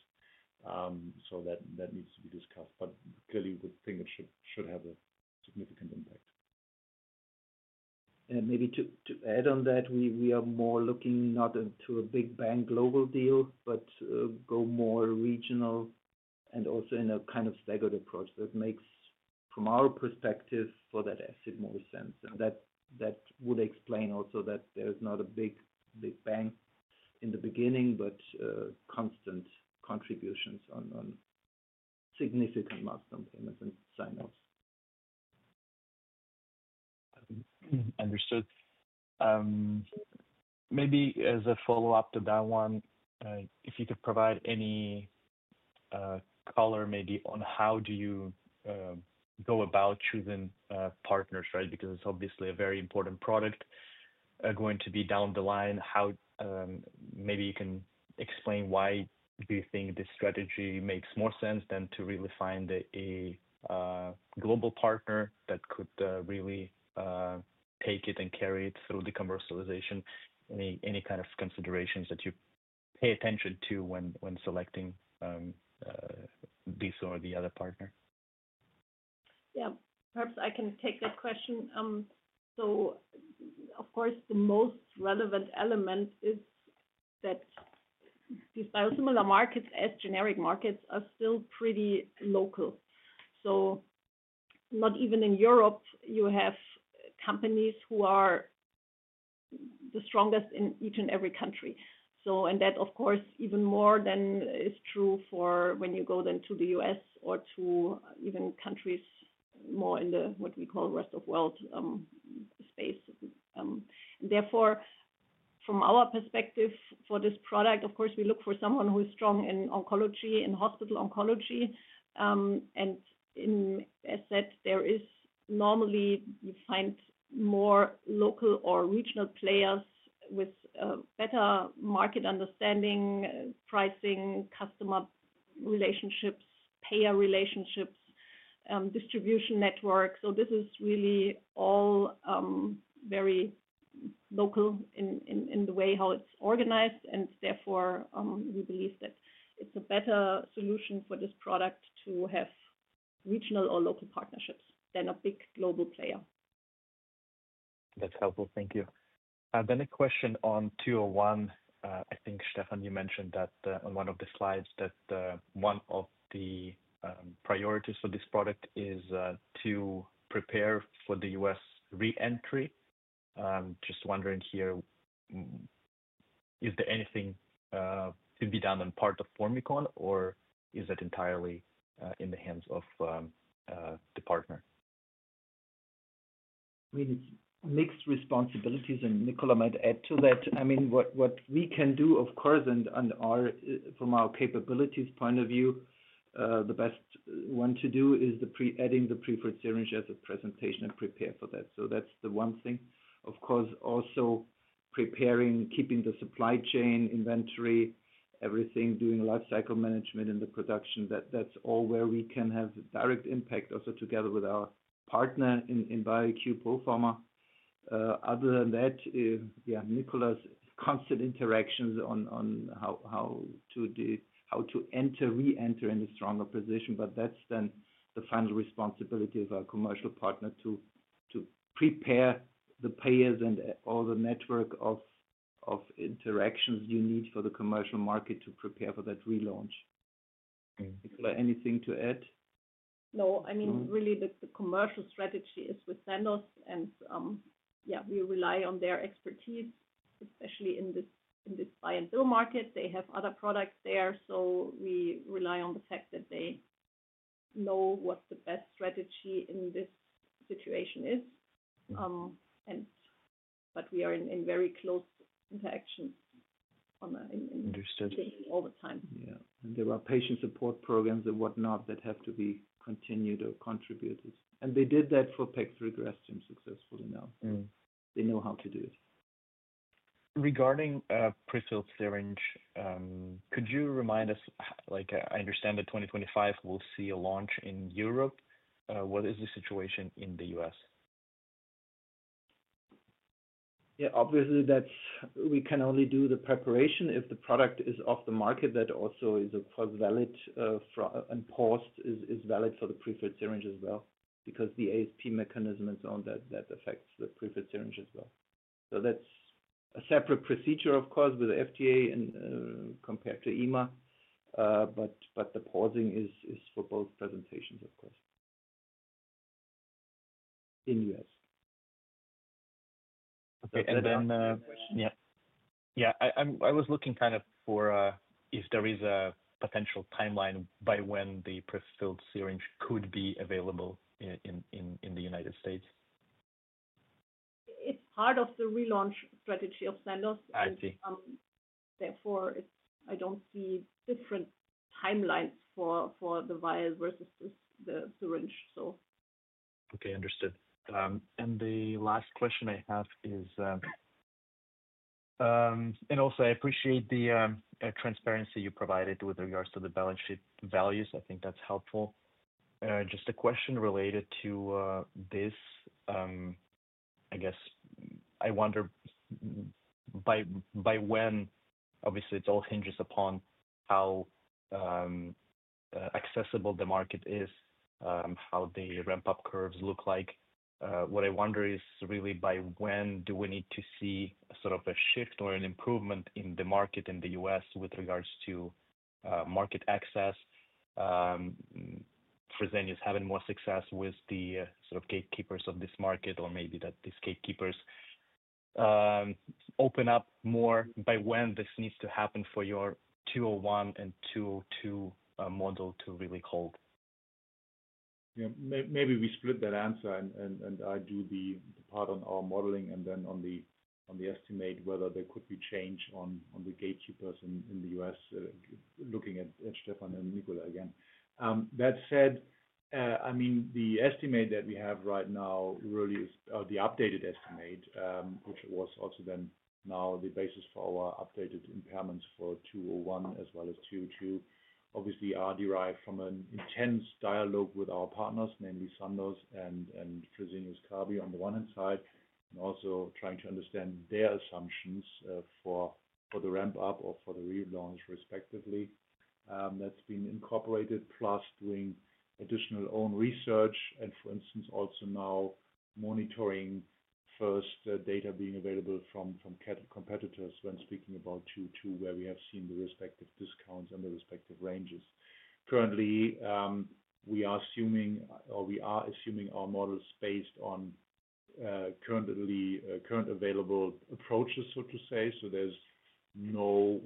That needs to be discussed, but clearly, we would think it should have a significant impact. Maybe to add on that, we are more looking not into a big bang global deal, but go more regional and also in a kind of staggered approach that makes, from our perspective, for that asset more sense. That would explain also that there is not a big bang in the beginning, but constant contributions on significant milestone payments and sign-offs. Understood. Maybe as a follow-up to that one, if you could provide any color maybe on how do you go about choosing partners, right? Because it is obviously a very important product going to be down the line. Maybe you can explain why you think this strategy makes more sense than to really find a global partner that could really take it and carry it through the commercialization. Any kind of considerations that you pay attention to when selecting this or the other partner? Yeah. Perhaps I can take that question. Of course, the most relevant element is that biosimilar markets, as generic markets, are still pretty local. Not even in Europe do you have companies who are the strongest in each and every country. That, of course, is even more true when you go to the U.S. or to countries more in what we call rest of world space. Therefore, from our perspective for this product, we look for someone who is strong in oncology, in hospital oncology. As said, normally you find more local or regional players with better market understanding, pricing, customer relationships, payer relationships, and distribution networks. This is really all very local in the way how it is organized. Therefore, we believe that it's a better solution for this product to have regional or local partnerships than a big global player. That's helpful. Thank you. A question on FYB201. I think, Stefan, you mentioned that on one of the slides that one of the priorities for this product is to prepare for the U.S. re-entry. Just wondering here, is there anything to be done on part of Formycon, or is it entirely in the hands of the partner? I mean, it's mixed responsibilities, and Nicola might add to that. I mean, what we can do, of course, and from our capabilities point of view, the best one to do is adding the prefilled syringe as a presentation and prepare for that. So that's the one thing. Of course, also preparing, keeping the supply chain inventory, everything, doing life cycle management in the production, that's all where we can have direct impact also together with our partner in Bioeq Polpharma. Other than that, yeah, Nicola's constant interactions on how to re-enter in a stronger position, but that's then the final responsibility of our commercial partner to prepare the payers and all the network of interactions you need for the commercial market to prepare for that relaunch. Nicola, anything to add? No. I mean, really, the commercial strategy is with Sandoz, and yeah, we rely on their expertise, especially in this buy-and-bill market. They have other products there, so we rely on the fact that they know what the best strategy in this situation is. We are in very close interactions on the table all the time. Yeah. There are patient support programs and whatnot that have to be continued or contributed. They did that for [APAC], regressed successfully now. They know how to do it. Regarding prefilled syringe, could you remind us, I understand that 2025 will see a launch in Europe. What is the situation in the U.S.? Yeah. Obviously, we can only do the preparation if the product is off the market. That also is valid and pause is valid for the prefilled syringe as well because the ASP mechanism is on that. That affects the prefilled syringe as well. That is a separate procedure, of course, with the FDA compared to EMA, but the pausing is for both presentations, of course, in the U.S. Okay. Yeah. Yeah. I was looking kind of for if there is a potential timeline by when the prefilled syringe could be available in the United States. It's part of the relaunch strategy of Sandoz. I see. Therefore, I don't see different timelines for the vial versus the syringe. Okay. Understood. The last question I have is I appreciate the transparency you provided with regards to the balance sheet values. I think that's helpful. Just a question related to this, I guess, I wonder by when obviously, it all hinges upon how accessible the market is, how the ramp-up curves look like. What I wonder is really by when do we need to see sort of a shift or an improvement in the market in the U.S. with regards to market access, Fresenius having more success with the sort of gatekeepers of this market, or maybe that these gatekeepers open up more by when this needs to happen for your FYB201 and FYB202 model to really hold. Yeah. Maybe we split that answer, and I do the part on our modeling and then on the estimate whether there could be change on the gatekeepers in the U.S., looking at Stefan and Nicola again. That said, I mean, the estimate that we have right now really is the updated estimate, which was also then now the basis for our updated impairments for FYB201 as well as FYB202. Obviously, our derived from an intense dialogue with our partners, namely Sandoz and Fresenius Kabi on the one hand side, and also trying to understand their assumptions for the ramp-up or for the relaunch respectively. That has been incorporated plus doing additional own research and, for instance, also now monitoring first data being available from competitors when speaking about FYB202, where we have seen the respective discounts and the respective ranges. Currently, we are assuming or we are assuming our models based on currently available approaches, so to say. There is no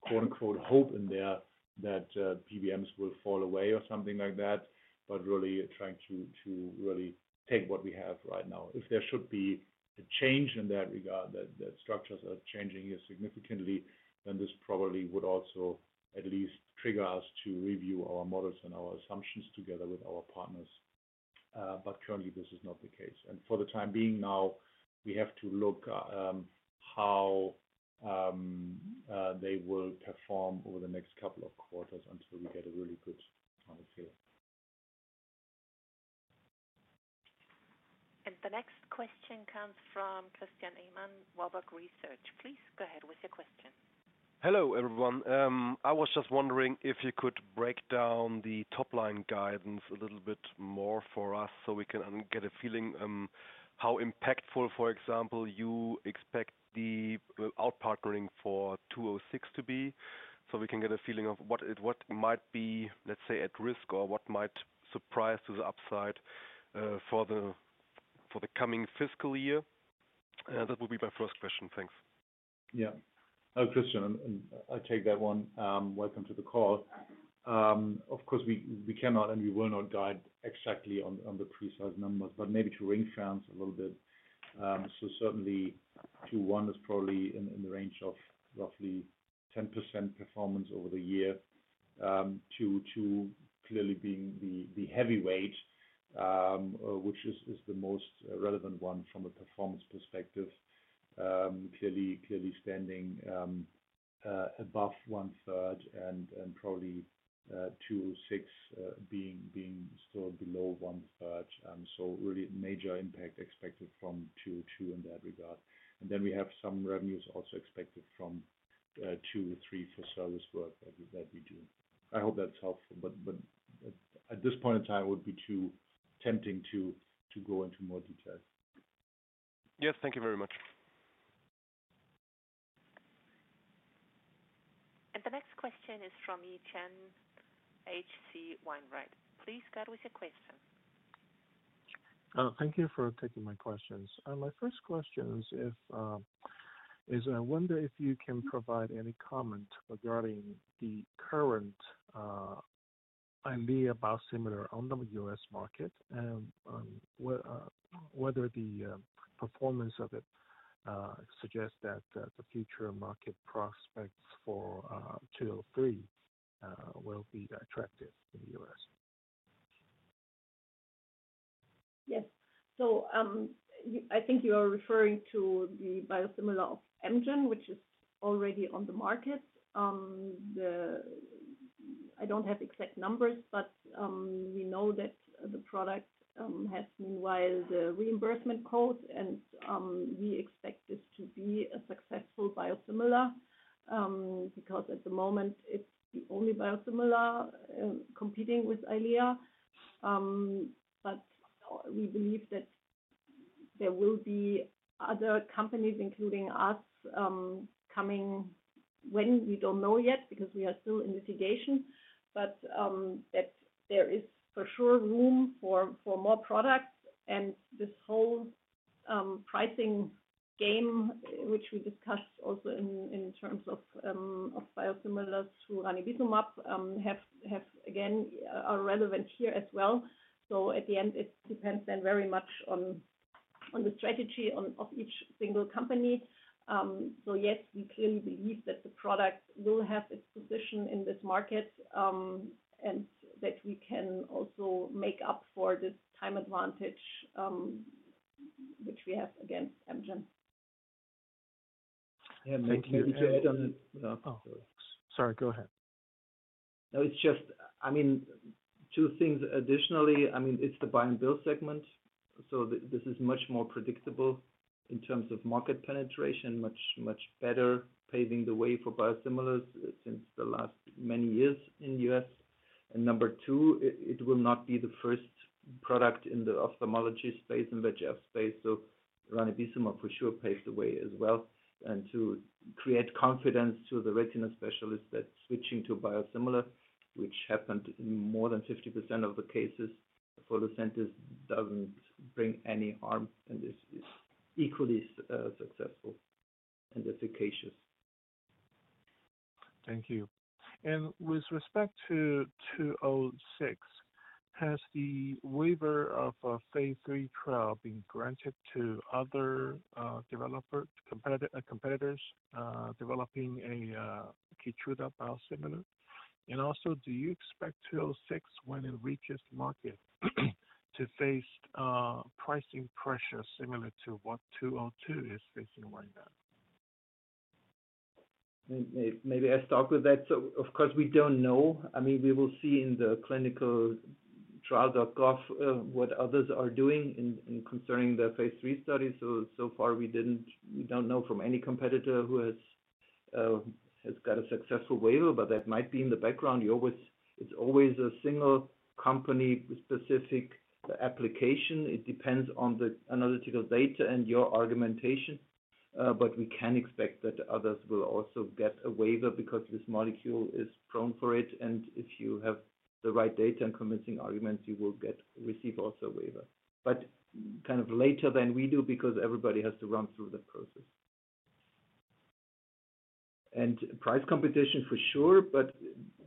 "hope" in there that PBMs will fall away or something like that, but really trying to really take what we have right now. If there should be a change in that regard, that structures are changing here significantly, then this probably would also at least trigger us to review our models and our assumptions together with our partners. Currently, this is not the case. For the time being now, we have to look at how they will perform over the next couple of quarters until we get a really good kind of feel. The next question comes from [Christian Emmon], Warburg Research. Please go ahead with your question. Hello everyone. I was just wondering if you could break down the top-line guidance a little bit more for us so we can get a feeling how impactful, for example, you expect the out-partnering for FYB206 to be so we can get a feeling of what might be, let's say, at risk or what might surprise to the upside for the coming fiscal year. That would be my first question. Thanks. Yeah. Hi, [Christian]. I take that one. Welcome to the call. Of course, we cannot and we will not guide exactly on the precise numbers, but maybe to ring-fence a little bit. Certainly, FYB201 is probably in the range of roughly 10% performance over the year. FYB202 clearly being the heavyweight, which is the most relevant one from a performance perspective, clearly standing above one-third and probably FYB206 being still below one-third. Really major impact expected from FYB202 in that regard. We have some revenues also expected from FYB203 for service work that we do. I hope that's helpful, but at this point in time, it would be too tempting to go into more detail. Yes. Thank you very much. The next question is from [Etienne] H.C. Wainwright. Please go with your question. Thank you for taking my questions. My first question is I wonder if you can provide any comment regarding the current idea about biosimilar on the U.S. market and whether the performance of it suggests that the future market prospects for FYB203 will be attractive in the U.S. Yes. I think you are referring to the biosimilar of Amgen, which is already on the market. I don't have exact numbers, but we know that the product has meanwhile the reimbursement code, and we expect this to be a successful biosimilar because at the moment, it's the only biosimilar competing with Eylea. We believe that there will be other companies, including us, coming when we don't know yet because we are still in litigation, but that there is for sure room for more products. This whole pricing game, which we discussed also in terms of biosimilars to ranibizumab, is again relevant here as well. At the end, it depends then very much on the strategy of each single company. Yes, we clearly believe that the product will have its position in this market and that we can also make up for this time advantage which we have against Amgen. Thank you. Did you add on the—sorry, go ahead. No, it's just, I mean, two things additionally. It's the buy-and-bill segment. This is much more predictable in terms of market penetration, much better paving the way for biosimilars since the last many years in the U.S. Number two, it will not be the first product in the ophthalmology space and VEGF space. Ranibizumab for sure paves the way as well. To create confidence to the retina specialist that switching to biosimilar, which happened in more than 50% of the cases for the centers, does not bring any harm and is equally successful and efficacious. Thank you. With respect to 206, has the waiver of phase III trial been granted to other developers, competitors developing a Keytruda biosimilar? Also, do you expect 206, when it reaches the market, to face pricing pressure similar to what 202 is facing right now? Maybe I will start with that. Of course, we do not know. I mean, we will see in the clinicaltrials.gov what others are doing concerning the phase III study. So far, we do not know from any competitor who has got a successful waiver, but that might be in the background. It is always a single company-specific application. It depends on the analytical data and your argumentation, but we can expect that others will also get a waiver because this molecule is prone for it. If you have the right data and convincing arguments, you will receive also a waiver, but kind of later than we do because everybody has to run through the process. Price competition for sure, but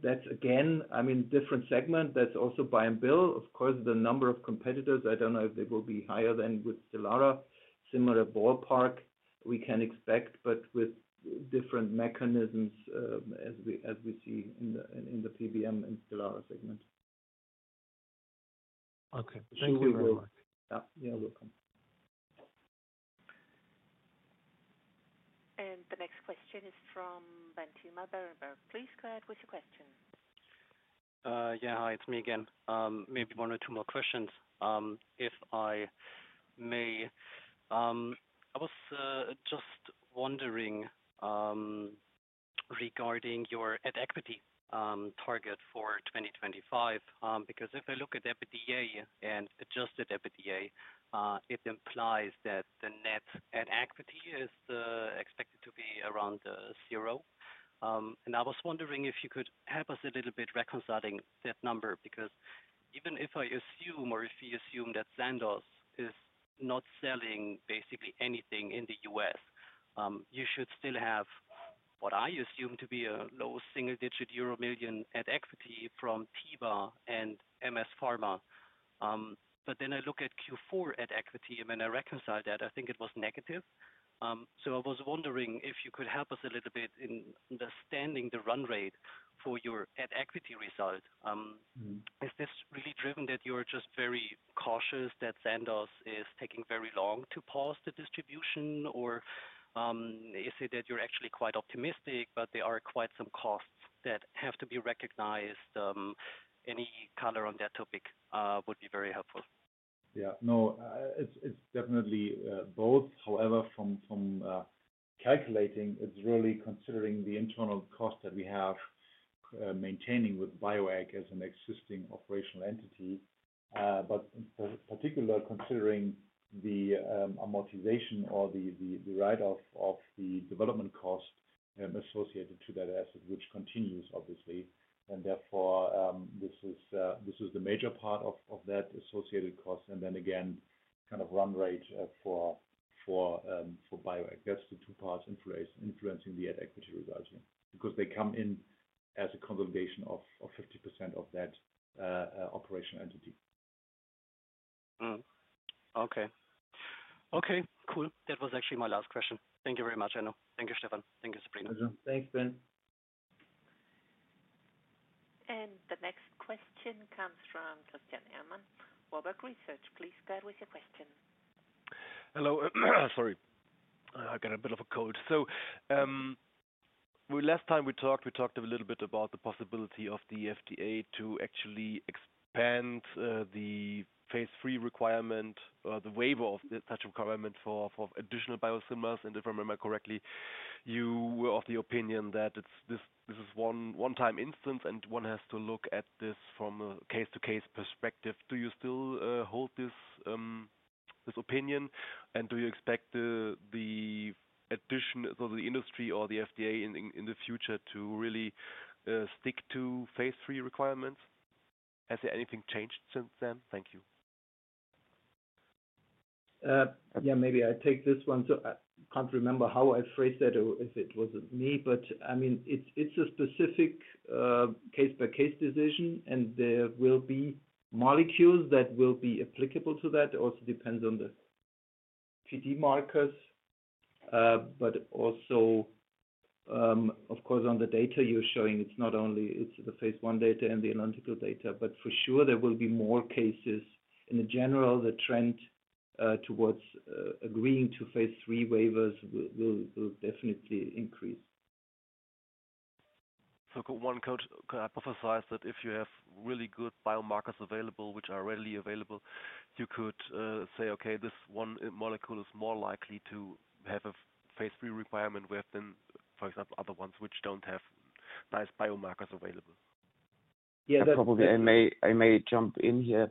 that's again, I mean, different segment. That's also buy-and-bill. Of course, the number of competitors, I don't know if they will be higher than with Stelara, similar ballpark we can expect, but with different mechanisms as we see in the PBM and Stelara segment. Okay. Thank you very much. You're welcome. The next question is from Ben Thielmann, Berenberg. Please go ahead with your question. Yeah. Hi. It's me again. Maybe one or two more questions, if I may. I was just wondering regarding your net equity target for 2025 because if I look at EBITDA and Adjusted EBITDA, it implies that the net net equity is expected to be around zero. I was wondering if you could help us a little bit reconciling that number because even if I assume or if we assume that Sandoz is not selling basically anything in the U.S., you should still have what I assume to be a low single-digit euro million net equity from Teva and MS Pharma. Then I look at Q4 net equity and when I reconcile that, I think it was negative. I was wondering if you could help us a little bit in understanding the run rate for your net equity result. Is this really driven that you're just very cautious that Sandoz is taking very long to pause the distribution, or is it that you're actually quite optimistic, but there are quite some costs that have to be recognized? Any color on that topic would be very helpful. Yeah. No, it's definitely both. However, from calculating, it's really considering the internal cost that we have maintaining with Bioeq as an existing operational entity, but in particular considering the amortization or the write-off of the development cost associated to that asset, which continues, obviously. Therefore, this is the major part of that associated cost. Then again, kind of run rate for Bioeq. That's the two parts influencing the net equity result here because they come in as a consolidation of 50% of that operational entity. Okay. Okay. Cool. That was actually my last question. Thank you very much, Enno. Thank you, Stefan. Thank you, Enno. Thanks, Ben. The next question comes from [Christian Emmon], Warburg Research. Please go with your question. Hello. Sorry. I got a bit of a cold. Last time we talked, we talked a little bit about the possibility of the FDA to actually expand the phase III requirement or the waiver of such requirement for additional biosimilars. If I remember correctly, you were of the opinion that this is a one-time instance and one has to look at this from a case-to-case perspective. Do you still hold this opinion, and do you expect the industry or the FDA in the future to really stick to phase III requirements? Has anything changed since then? Thank you. Yeah. Maybe I take this one. I can't remember how I phrased that or if it wasn't me, but I mean, it's a specific case-by-case decision, and there will be molecules that will be applicable to that. It also depends on the PD markers, but also, of course, on the data you're showing. It's not only the phase I data and the analytical data, but for sure, there will be more cases. In general, the trend towards agreeing to phase III waivers will definitely increase. One could hypothesize that if you have really good biomarkers available, which are readily available, you could say, "Okay, this one molecule is more likely to have a phase III requirement with than, for example, other ones which don't have nice biomarkers available." Yeah. I may jump in here.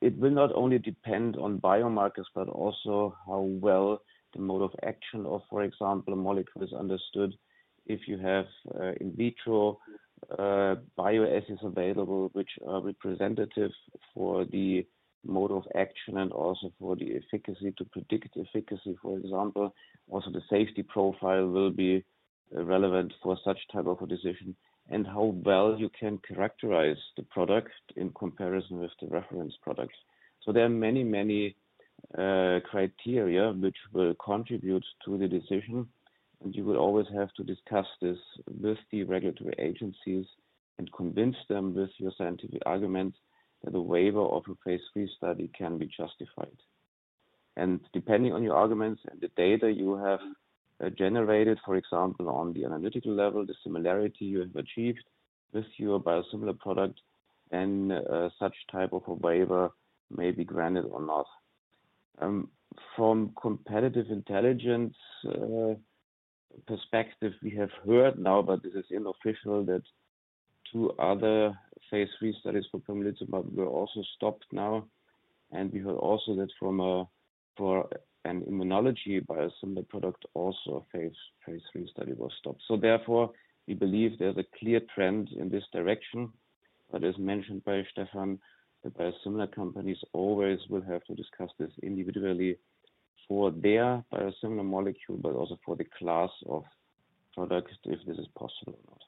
It will not only depend on biomarkers, but also how well the mode of action of, for example, molecules is understood. If you have in vitro bioassays available, which are representative for the mode of action and also for the efficacy to predict efficacy, for example, also the safety profile will be relevant for such type of a decision and how well you can characterize the product in comparison with the reference product. There are many, many criteria which will contribute to the decision, and you will always have to discuss this with the regulatory agencies and convince them with your scientific arguments that a waiver of a phase III study can be justified. Depending on your arguments and the data you have generated, for example, on the analytical level, the similarity you have achieved with your biosimilar product, then such type of a waiver may be granted or not. From a competitive intelligence perspective, we have heard now, but this is unofficial, that two other phase III studies for pembrolizumab were also stopped now. We heard also that for an immunology biosimilar product, also a phase III study was stopped. Therefore, we believe there is a clear trend in this direction, but as mentioned by Stefan, the biosimilar companies always will have to discuss this individually for their biosimilar molecule, but also for the class of products if this is possible or not.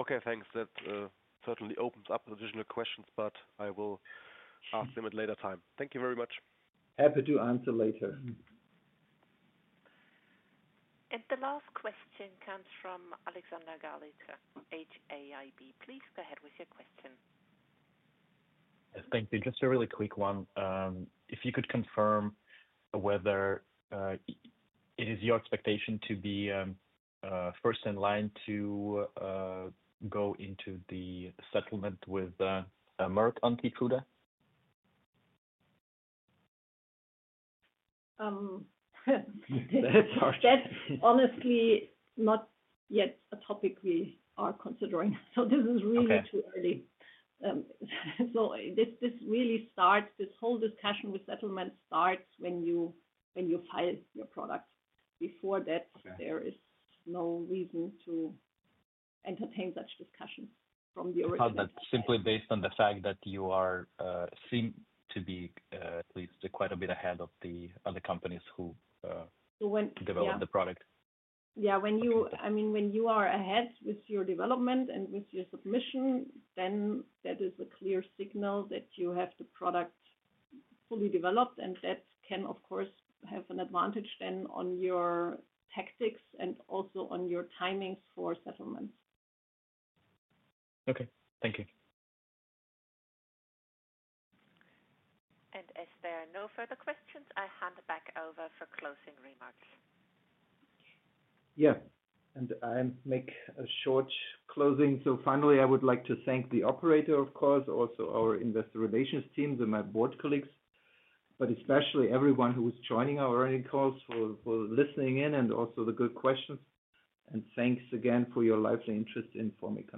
Okay. Thanks. That certainly opens up additional questions, but I will ask them at a later time. Thank you very much. Happy to answer later. The last question comes from [Alexander Gauliter, HAIB]. Please go ahead with your question. Thank you. Just a really quick one. If you could confirm whether it is your expectation to be first in line to go into the settlement with Merck on Keytruda? That's hard. That's honestly not yet a topic we are considering. This is really too early. This really starts, this whole discussion with settlement starts when you file your product. Before that, there is no reason to entertain such discussions from the original. That's simply based on the fact that you seem to be at least quite a bit ahead of the other companies who develop the product. Yeah. I mean, when you are ahead with your development and with your submission, that is a clear signal that you have the product fully developed, and that can, of course, have an advantage on your tactics and also on your timings for settlements. Okay. Thank you. If there are no further questions, I hand back over for closing remarks. Yeah. I make a short closing. Finally, I would like to thank the operator, of course, also our investor relations team and my board colleagues, but especially everyone who was joining our earning calls for listening in and also the good questions. Thanks again for your lively interest in Formycon.